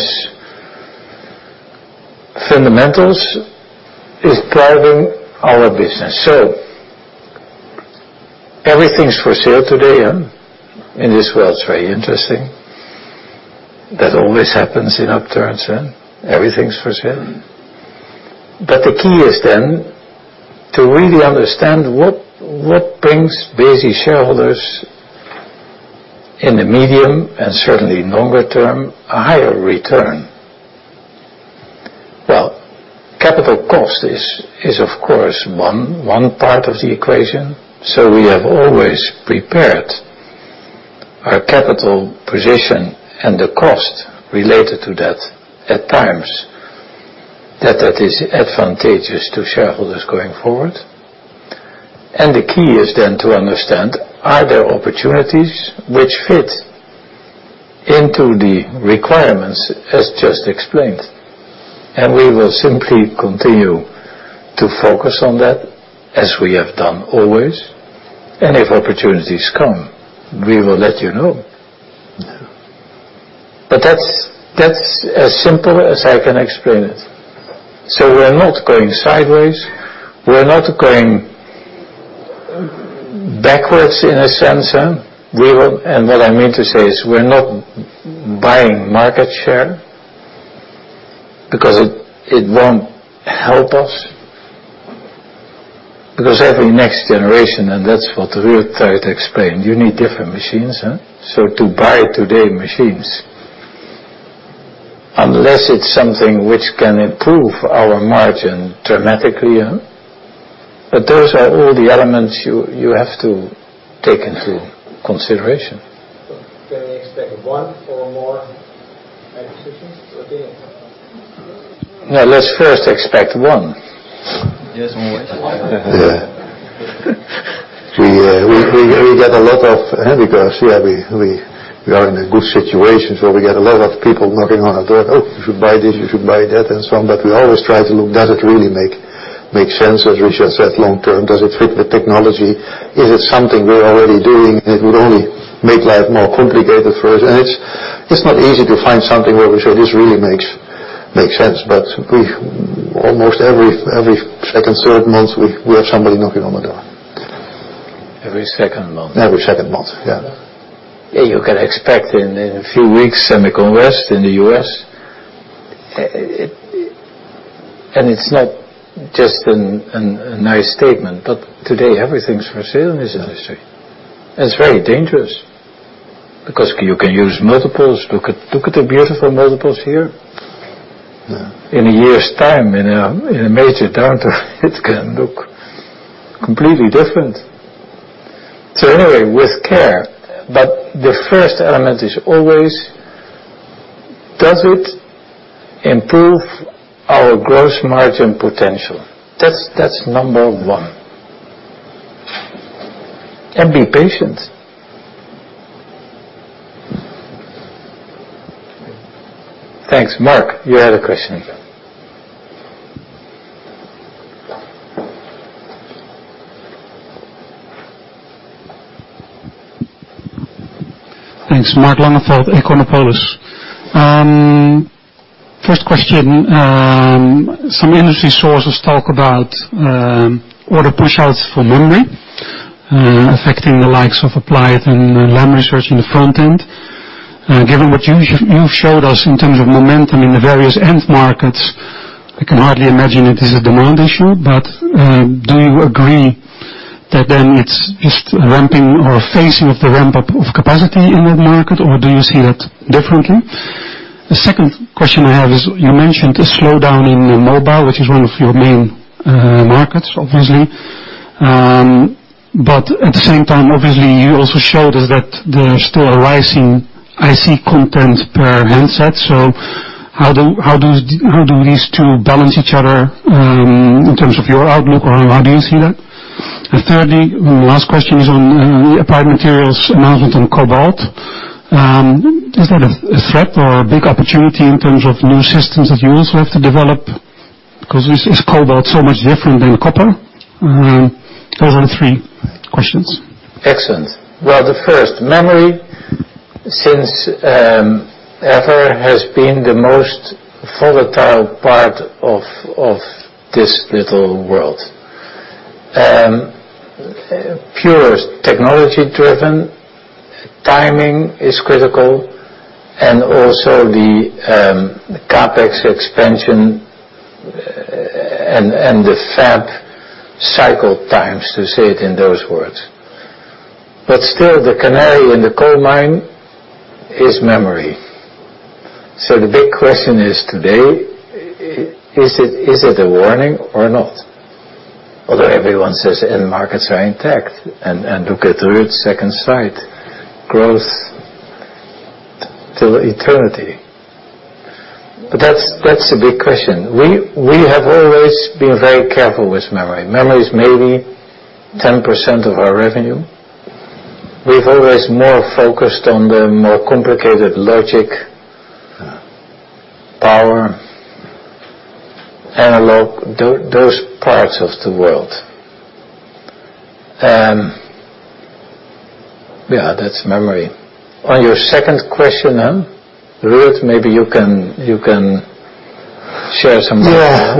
Speaker 1: fundamentals is driving our business. Everything's for sale today in this world. It's very interesting. That always happens in upturns. Everything's for sale. The key is then to really understand what brings Besi shareholders, in the medium and certainly longer term, a higher return. Capital cost is of course, one part of the equation. We have always prepared our capital position and the cost related to that at times that that is advantageous to shareholders going forward. The key is then to understand, are there opportunities which fit into the requirements as just explained. We will simply continue to focus on that as we have done always. If opportunities come, we will let you know. That's as simple as I can explain it. We're not going sideways, we're not going backwards in a sense. What I mean to say is we're not buying market share because it won't help us. Every next generation, and that's what Ruurd tried to explain, you need different machines. To buy today machines, unless it's something which can improve our margin dramatically. Those are all the elements you have to take into consideration.
Speaker 4: Can we expect one or more acquisitions or deal?
Speaker 1: No, let's first expect one.
Speaker 4: Just one.
Speaker 2: Yeah. We get a lot of because we are in a good situation where we get a lot of people knocking on our door, "Oh, you should buy this, you should buy that," and so on. We always try to look, does it really make sense, as Richard said, long term? Does it fit the technology? Is it something we're already doing, and it would only make life more complicated for us? It's not easy to find something where we say, "This really makes sense." Almost every second, third month, we have somebody knocking on the door.
Speaker 1: Every second month.
Speaker 2: Every second month, yeah.
Speaker 1: You can expect in a few weeks, SEMICON West in the U.S. It's not just a nice statement, today everything's for sale in this industry. It's very dangerous because you can use multiples. Look at the beautiful multiples here.
Speaker 2: Yeah.
Speaker 1: In a year's time, in a major downturn, it can look completely different. Anyway, with care. The first element is always, does it improve our gross margin potential? That's number 1. Be patient. Thanks. Marc, you had a question.
Speaker 5: Thanks. Marc Langeveld, Econopolis. First question, some industry sources talk about order push-outs for memory, affecting the likes of Applied and Lam Research in the front end. Given what you've showed us in terms of momentum in the various end markets, I can hardly imagine it is a demand issue. Do you agree that then it's ramping or phasing of the ramp-up of capacity in that market? Do you see that differently? The second question I have is, you mentioned a slowdown in mobile, which is one of your main markets, obviously. At the same time, obviously, you also showed us that there's still a rising IC content per handset. How do these two balance each other in terms of your outlook, or how do you see that? Thirdly, last question is on Applied Materials' announcement on cobalt. Is that a threat or a big opportunity in terms of new systems that you also have to develop because is cobalt so much different than copper? Those are the three questions.
Speaker 1: Excellent. Well, the first, memory, since ever, has been the most volatile part of this little world. Purest technology-driven, timing is critical, and also the CapEx expansion and the fab cycle times, to say it in those words. Still, the canary in the coal mine is memory. The big question is today, is it a warning or not? Although everyone says end markets are intact, and look at Ruurd's second slide, growth to eternity. That's the big question. We have always been very careful with memory. Memory is maybe 10% of our revenue. We've always more focused on the more complicated logic, power, analog, those parts of the world. Yeah, that's memory. On your second question, Ruurd, maybe you can share some light.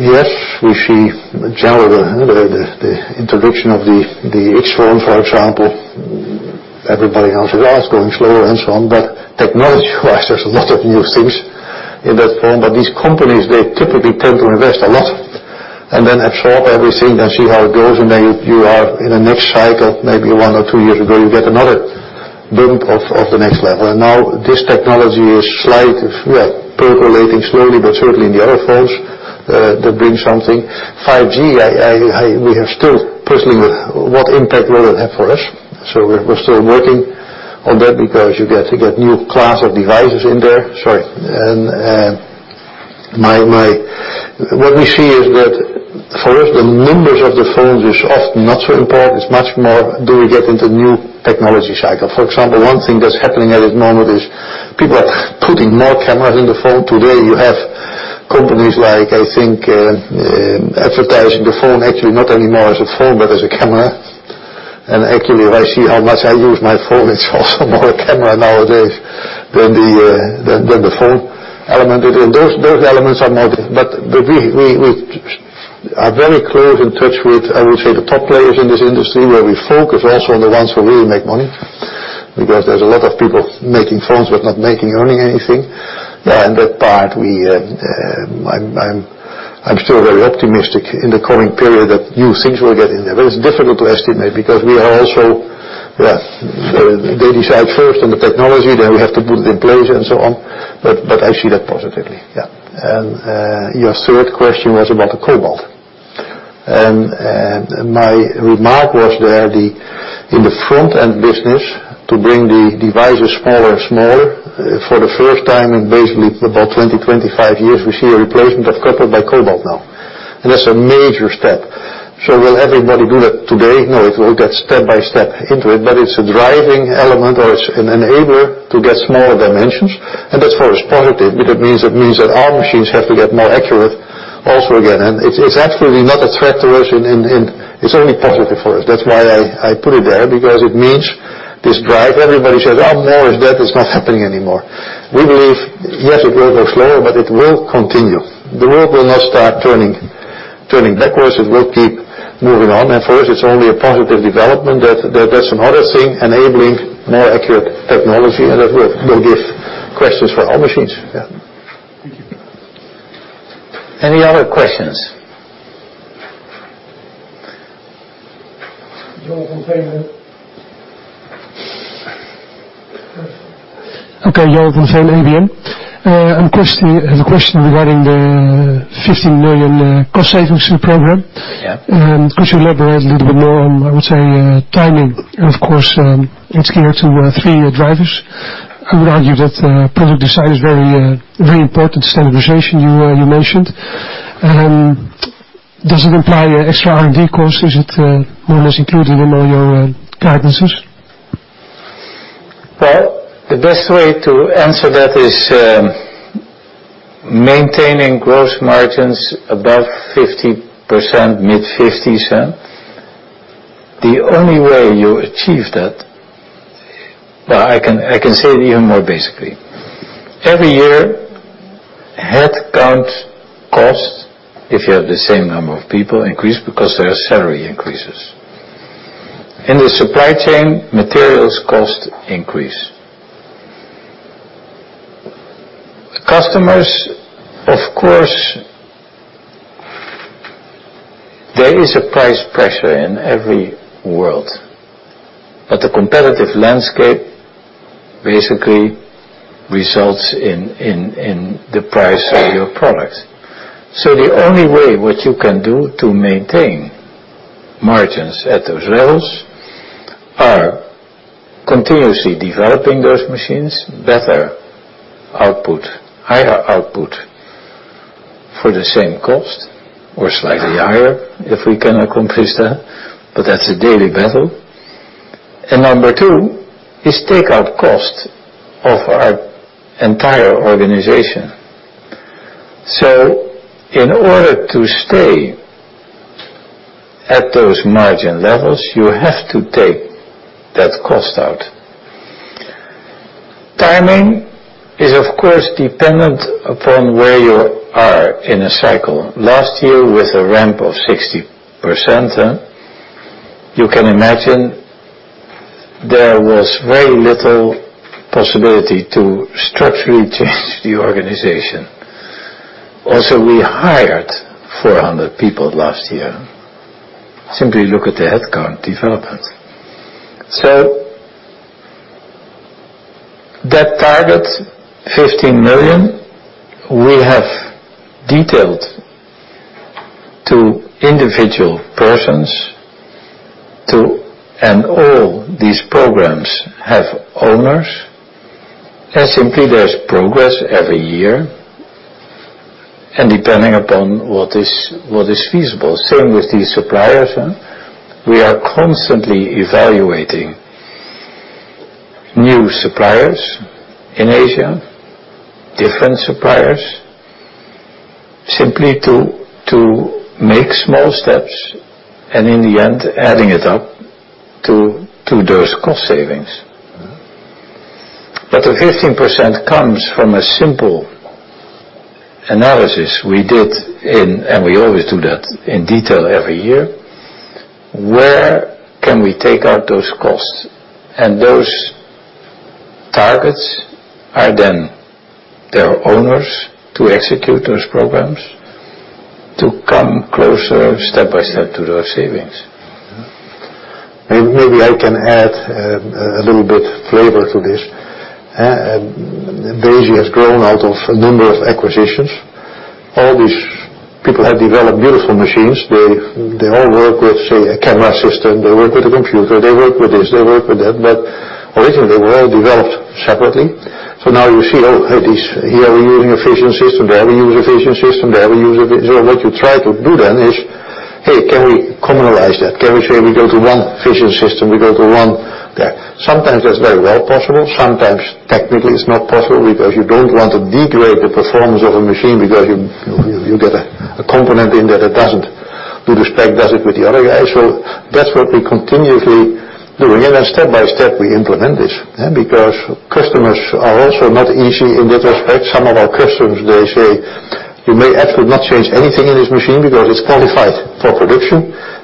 Speaker 2: Yes, we see in general the introduction of the iPhone X, for example. Everybody now says, "Oh, it's going slower" and so on. Technology-wise, there's a lot of new things in that phone. These companies, they typically tend to invest a lot and then absorb everything and see how it goes. Then you are in the next cycle, maybe one or two years ago, you get another bump of the next level. Now this technology is percolating slowly, but certainly in the other phones that bring something. 5G, we are still puzzling with what impact will it have for us. We're still working on that because you get new class of devices in there. Sorry. What we see is that for us, the numbers of the phones is often not so important. It's much more do we get into new technology cycle. For example, one thing that's happening at this moment is people are putting more cameras in the phone. Today, you have companies like, I think, advertising the phone actually not anymore as a phone but as a camera. Actually, if I see how much I use my phone, it's also more a camera nowadays than the phone element. Those elements are modern. We are very close in touch with, I would say, the top players in this industry where we focus also on the ones who really make money, because there's a lot of people making phones but not earning anything. That part, I'm still very optimistic in the coming period that new things will get in there. It's difficult to estimate because they decide first on the technology, then we have to put it in place and so on. I see that positively. Your third question was about the cobalt. My remark was there, in the front-end business, to bring the devices smaller and smaller, for the first time in basically about 20, 25 years, we see a replacement of copper by cobalt now. That's a major step. Will everybody do that today? No. It will get step by step into it's a driving element or it's an enabler to get smaller dimensions, and that for us positive. It means that our machines have to get more accurate also again. It's actually not a threat to us, it's only positive for us. That's why I put it there, because it means this drive. Everybody says, "Oh, Moore is dead." It's not happening anymore. We believe, yes, it will go slower, it will continue. The world will not start turning backwards. It will keep moving on. For us, it's only a positive development that that's another thing enabling more accurate technology, and that will give questions for our machines. Yeah.
Speaker 5: Thank you.
Speaker 1: Any other questions?
Speaker 6: [Jonathan Tame], ABN.
Speaker 2: Yes.
Speaker 6: Okay. Jonathan Tame, ABN. I have a question regarding the 15 million cost savings program.
Speaker 1: Yeah.
Speaker 6: Could you elaborate a little bit more on, I would say, timing? Of course, it's geared to three drivers. I would argue that product design is very important. Standardization, you mentioned. Does it imply extra R&D cost? Is it more or less included in all your guidances?
Speaker 1: Well, the best way to answer that is, maintaining gross margins above 50%, mid 50s, the only way you achieve that. Well, I can say it even more basically. Every year, headcount cost, if you have the same number of people, increase because there are salary increases. In the supply chain, materials cost increase. Customers, of course, there is a price pressure in every world, the competitive landscape basically results in the price of your product. The only way what you can do to maintain margins at those levels are continuously developing those machines, better output, higher output for the same cost or slightly higher if we can accomplish that, but that's a daily battle. Number 2 is take out cost of our entire organization. In order to stay at those margin levels, you have to take that cost out. Timing is, of course, dependent upon where you are in a cycle. Last year, with a ramp of 60%, you can imagine there was very little possibility to structurally change the organization. Also, we hired 400 people last year. Simply look at the headcount development. That target, 15 million, we have detailed to individual persons, all these programs have owners, and simply there's progress every year and depending upon what is feasible. Same with these suppliers. We are constantly evaluating new suppliers in Asia, different suppliers, simply to make small steps and in the end adding it up to those cost savings. The 15% comes from a simple analysis we did, and we always do that in detail every year. Where can we take out those costs? Those targets are, there are owners to execute those programs to come closer step by step to those savings.
Speaker 2: Maybe I can add a little bit flavor to this. ASML has grown out of a number of acquisitions. All these people have developed beautiful machines. They all work with, say, a camera system. They work with a computer. They work with this, they work with that. Originally, they were all developed separately. Now you see, here we're using a vision system. There we use a vision system. There we use a vision. What you try to do then is, can we commonize that? Can we say we go to one vision system? We go to one there. Sometimes that's very well possible. Sometimes technically it's not possible because you don't want to degrade the performance of a machine because you get a component in there that doesn't [meet the spec like the other guy]. That's what we're continuously doing. Step by step we implement this, because customers are also not easy in that respect. Some of our customers, they say, "You may actually not change anything in this machine because it's qualified for production,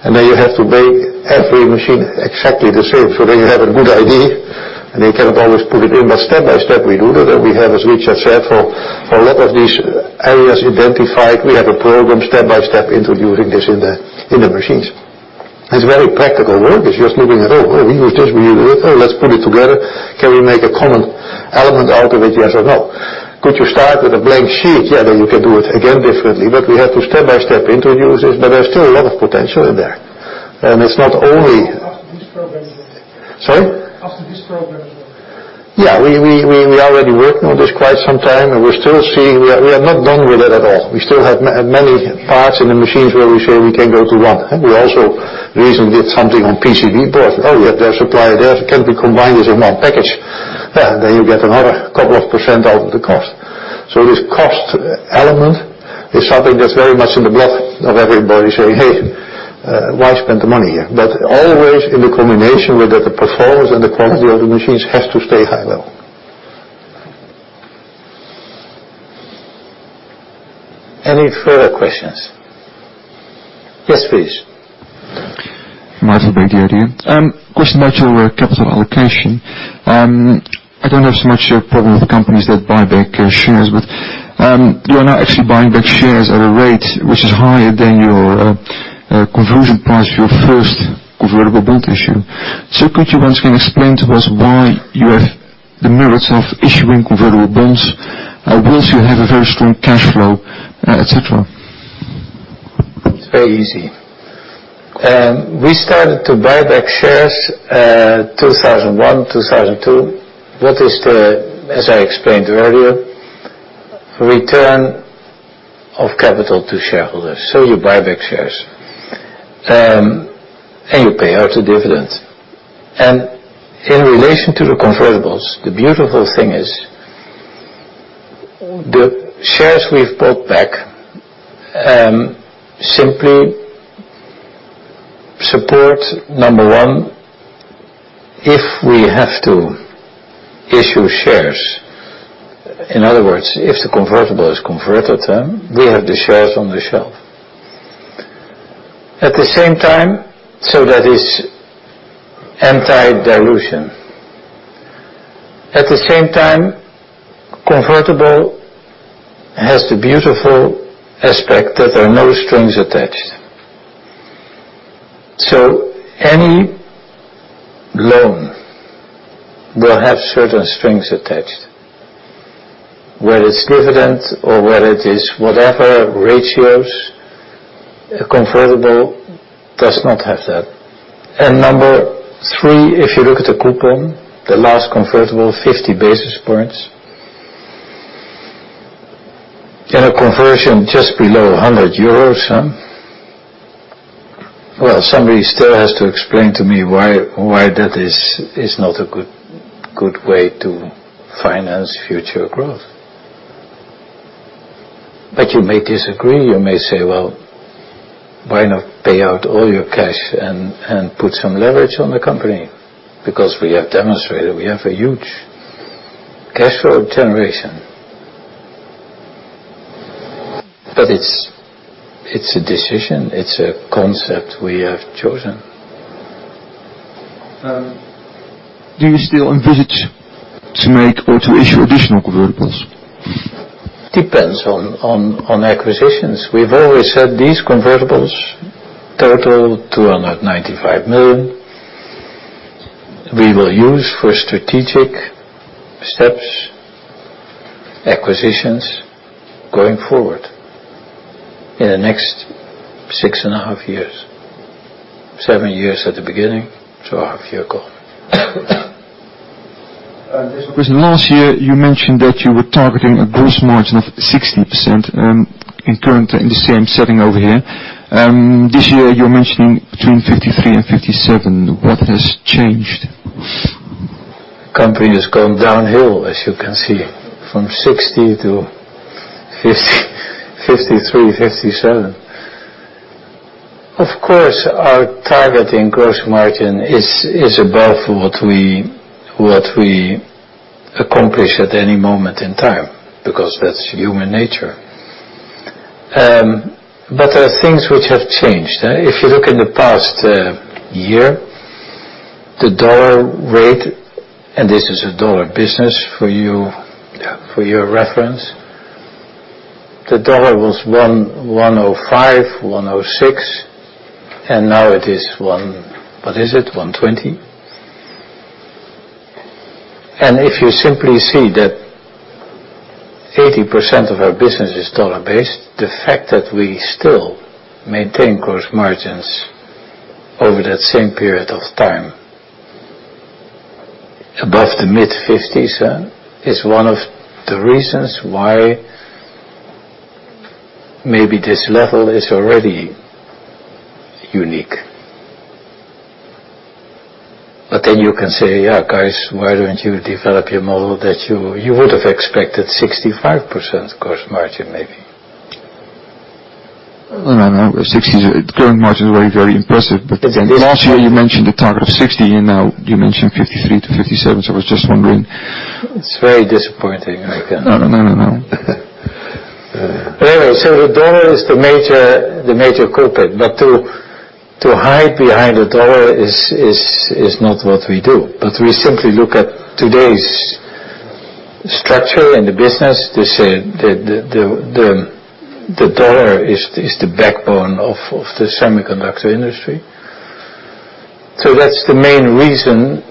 Speaker 2: and now you have to make every machine exactly the same so that you have a good idea," and you cannot always put it in. Step by step, we do that, and we have, as Richard said, for a lot of these areas identified, we have a program step by step introducing this in the machines. It's very practical work. It's just looking at, "We use this, we use this. Let's put it together. Can we make a common element out of it, yes or no?" Could you start with a blank sheet? You can do it again differently. We have to step by step introduce it, but there's still a lot of potential in there. It's not only.
Speaker 7: After this program as well.
Speaker 2: Sorry? After this program as well. We are already working on this quite some time. We are not done with it at all. We still have many parts in the machines where we say we can go to one. We also recently did something on PCB board. Their supplier there, it can be combined as in one package. You get another couple of % out of the cost. This cost element is something that's very much in the blood of everybody saying, "Hey, why spend the money here?" Always in the combination with the performance and the quality of the machines has to stay high level.
Speaker 1: Any further questions? Yes, please.
Speaker 8: Michael Barghoorn. Question about your capital allocation. I don't have so much a problem with companies that buy back their shares, you are now actually buying back shares at a rate which is higher than your conversion price for your first convertible bond issue. Could you once again explain to us why you have the merits of issuing convertible bonds, once you have a very strong cash flow, et cetera?
Speaker 1: It's very easy. We started to buy back shares, 2001, 2002. That is, as I explained earlier, return of capital to shareholders. You buy back shares. You pay out a dividend. In relation to the convertibles, the beautiful thing is, the shares we've bought back, simply support, number 1, if we have to issue shares. In other words, if the convertible is converted, we have the shares on the shelf. At the same time, that is anti-dilution. At the same time, convertible has the beautiful aspect that there are no strings attached. Any loan will have certain strings attached, whether it's dividend or whether it is whatever ratios, a convertible does not have that. Number 3, if you look at the coupon, the last convertible, 50 basis points and a conversion just below 100 euros. Well, somebody still has to explain to me why that is not a good way to finance future growth. You may disagree. You may say, "Well, why not pay out all your cash and put some leverage on the company?" We have demonstrated we have a huge cash flow generation. It's a decision. It's a concept we have chosen.
Speaker 8: Do you still envisage to make or to issue additional convertibles?
Speaker 1: Depends on acquisitions. We've always said these convertibles total 295 million. We will use for strategic steps, acquisitions going forward in the next 6.5 years. 7 years at the beginning, 2.5 years ago.
Speaker 7: There's a question. Last year, you mentioned that you were targeting a gross margin of 60% in current, in the same setting over here. This year, you're mentioning between 53%-57%. What has changed?
Speaker 1: Company has gone downhill, as you can see, from 60% to 53%-57%. Of course, our target in gross margin is above what we accomplish at any moment in time, because that's human nature. There are things which have changed. If you look in the past year, the dollar rate, and this is a dollar business for your reference, the dollar was 1.05, 1.06, and now it is 1, what is it? 1.20. If you simply see that 80% of our business is dollar based, the fact that we still maintain gross margins over that same period of time above the mid-50s is one of the reasons why maybe this level is already unique. Then you can say, "Guys, why don't you develop your model that you would have expected 65% gross margin, maybe.
Speaker 7: No, 60% gross margin is very impressive. It is impressive. Last year you mentioned a target of 60, and now you mention 53-57, I was just wondering.
Speaker 1: It is very disappointing, right?
Speaker 7: No.
Speaker 1: Anyway, the dollar is the major culprit. To hide behind the dollar is not what we do. We simply look at today's structure in the business. The dollar is the backbone of the semiconductor industry. That's the main reason.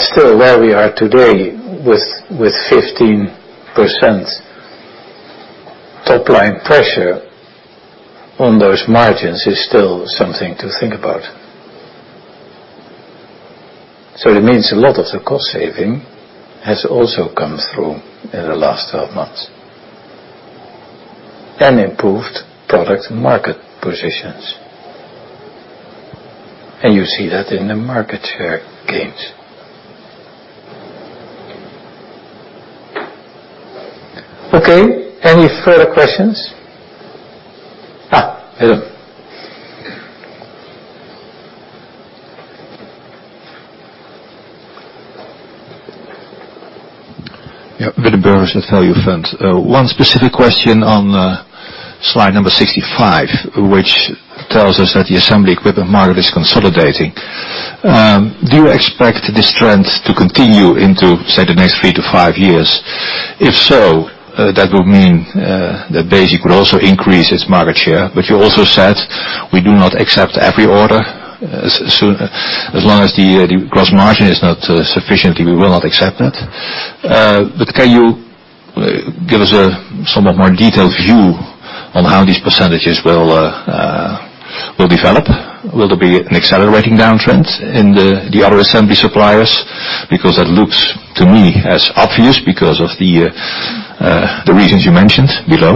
Speaker 1: Still, where we are today with 15% top-line pressure on those margins is still something to think about. It means a lot of the cost saving has also come through in the last 12 months, and improved product market positions. You see that in the market share gains. Okay, any further questions? Willem.
Speaker 9: Willem Burgers at Add Value Fund. One specific question on slide number 65, which tells us that the assembly equipment market is consolidating. Do you expect this trend to continue into, say, the next three to five years? If so, that would mean that Besi could also increase its market share. You also said we do not accept every order. As long as the gross margin is not sufficient, we will not accept that. Can you give us a somewhat more detailed view on how these percentages will develop? Will there be an accelerating downtrend in the other assembly suppliers? That looks to me as obvious because of the reasons you mentioned below.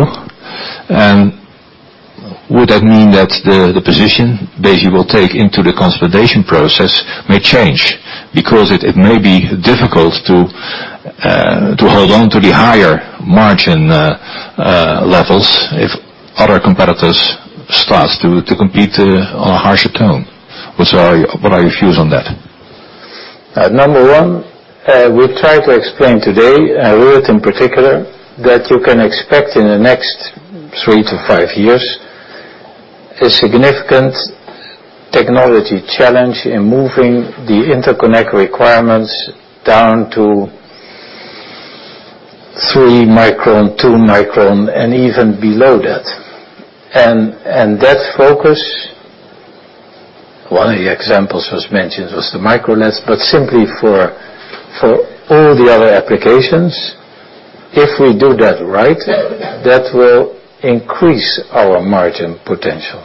Speaker 9: Would that mean that the position Besi will take into the consolidation process may change, because it may be difficult to hold on to the higher margin levels if other competitors start to compete on a harsher tone. What are your views on that?
Speaker 1: Number one, we tried to explain today, Ruurd in particular, that you can expect in the next three to five years, a significant technology challenge in moving the interconnect requirements down to three micron, two micron, and even below that. That focus, one of the examples mentioned was the MicroLED, but simply for all the other applications, if we do that right, that will increase our margin potential.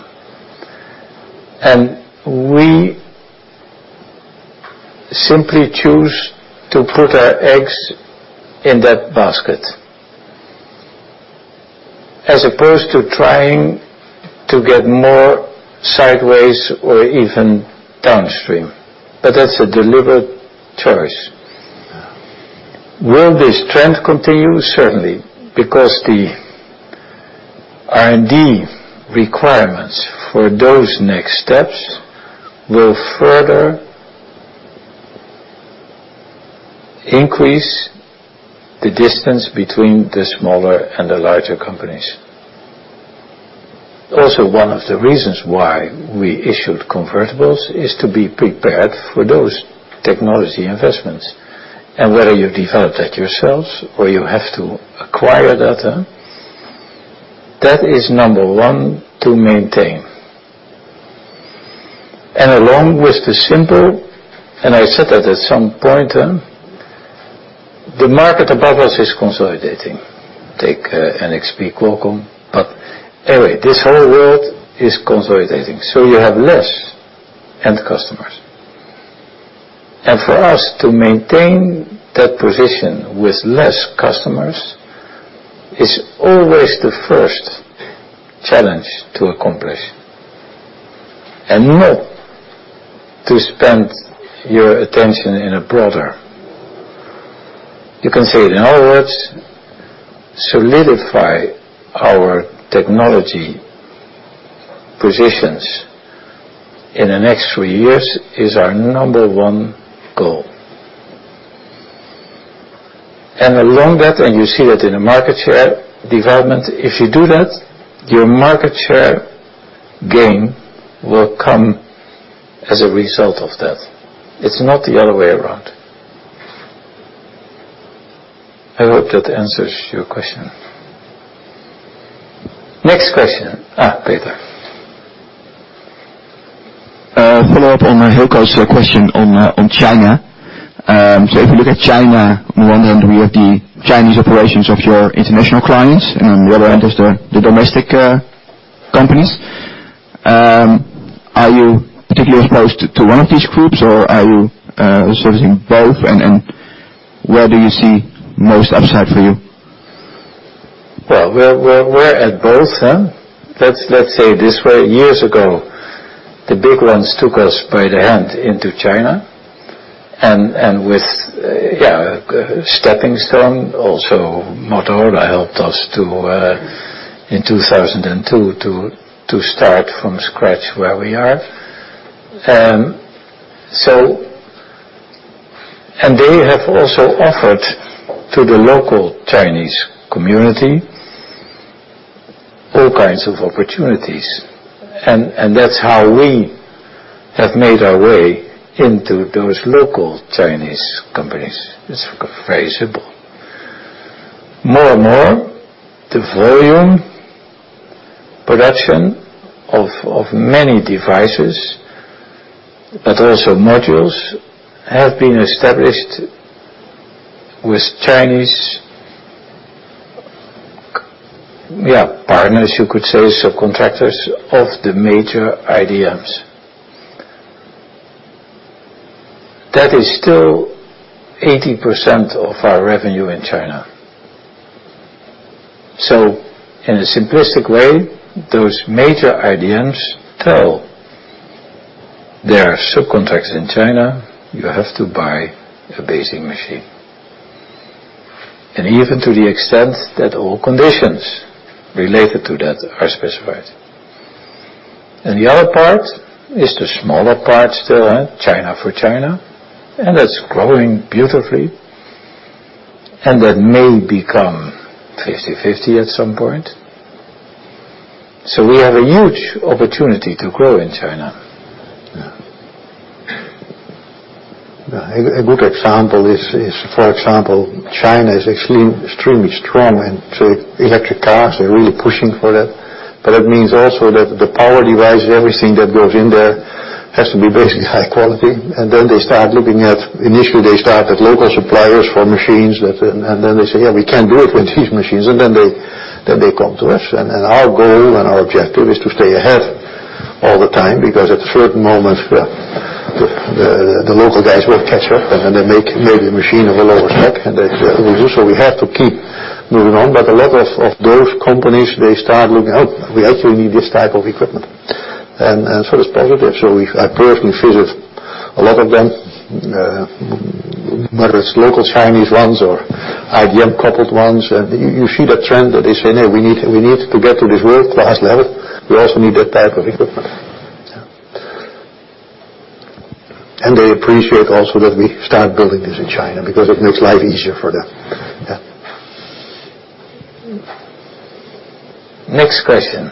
Speaker 1: We simply choose to put our eggs in that basket as opposed to trying to get more sideways or even downstream. That's a deliberate choice. Will this trend continue? Certainly, because the R&D requirements for those next steps will further increase the distance between the smaller and the larger companies. Also, one of the reasons why we issued convertibles is to be prepared for those technology investments. Whether you develop that yourselves or you have to acquire data, that is number one to maintain. Along with the simple, I said that at some point, the market above us is consolidating. Take NXP, Qualcomm. Anyway, this whole world is consolidating. You have less end customers. For us to maintain that position with less customers is always the first challenge to accomplish, not to spend your attention in a broader. You can say it, in other words, solidify our technology positions in the next three years is our number one goal. Along that, you see that in the market share development, if you do that, your market share gain will come as a result of that. It's not the other way around. I hope that answers your question. Next question. Peter.
Speaker 3: A follow-up on Hilco's question on China. If you look at China, on the one hand, we have the Chinese operations of your international clients, and on the other hand, there is the domestic companies. Are you particularly exposed to one of these groups, or are you servicing both? Where do you see most upside for you?
Speaker 1: Well, we are at both. Let's say it this way, years ago, the big ones took us by the hand into China, with stepping stone, also Motorola, helped us in 2002 to start from scratch where we are. They have also offered to the local Chinese community all kinds of opportunities, that is how we have made our way into those local Chinese companies. It is very simple. More and more, the volume production of many devices, but also modules, have been established with Chinese partners, you could say, subcontractors of the major IDMs. That is still 80% of our revenue in China. In a simplistic way, those major IDMs tell their subcontractors in China, "You have to buy a Besi machine." Even to the extent that all conditions related to that are specified. The other part is the smaller part, China for China, that is growing beautifully, that may become 50/50 at some point. We have a huge opportunity to grow in China. Yeah.
Speaker 2: A good example is, for example, China is extremely strong in electric cars. They are really pushing for that. It means also that the power device and everything that goes in there has to be basically high quality. Then initially they start at local suppliers for machines. Then they say, "Yeah, we cannot do it with these machines." Then they come to us. Our goal and our objective is to stay ahead all the time because at a certain moment, the local guys will catch up, then they make maybe a machine of a lower spec, that will do. We have to keep moving on. A lot of those companies, they start looking, "Oh, we actually need this type of equipment." It is positive. I personally visit a lot of them, whether it is local Chinese ones or IDM-coupled ones. You see the trend that they say, "We need to get to this world-class level. We also need that type of equipment.
Speaker 1: Yeah.
Speaker 2: They appreciate also that we start building this in China because it makes life easier for them. Yeah.
Speaker 1: Next question.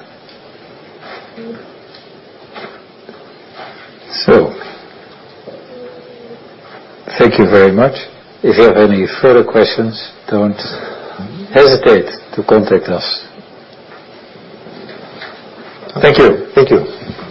Speaker 1: Thank you very much. If you have any further questions, don't hesitate to contact us.
Speaker 2: Thank you. Thank you.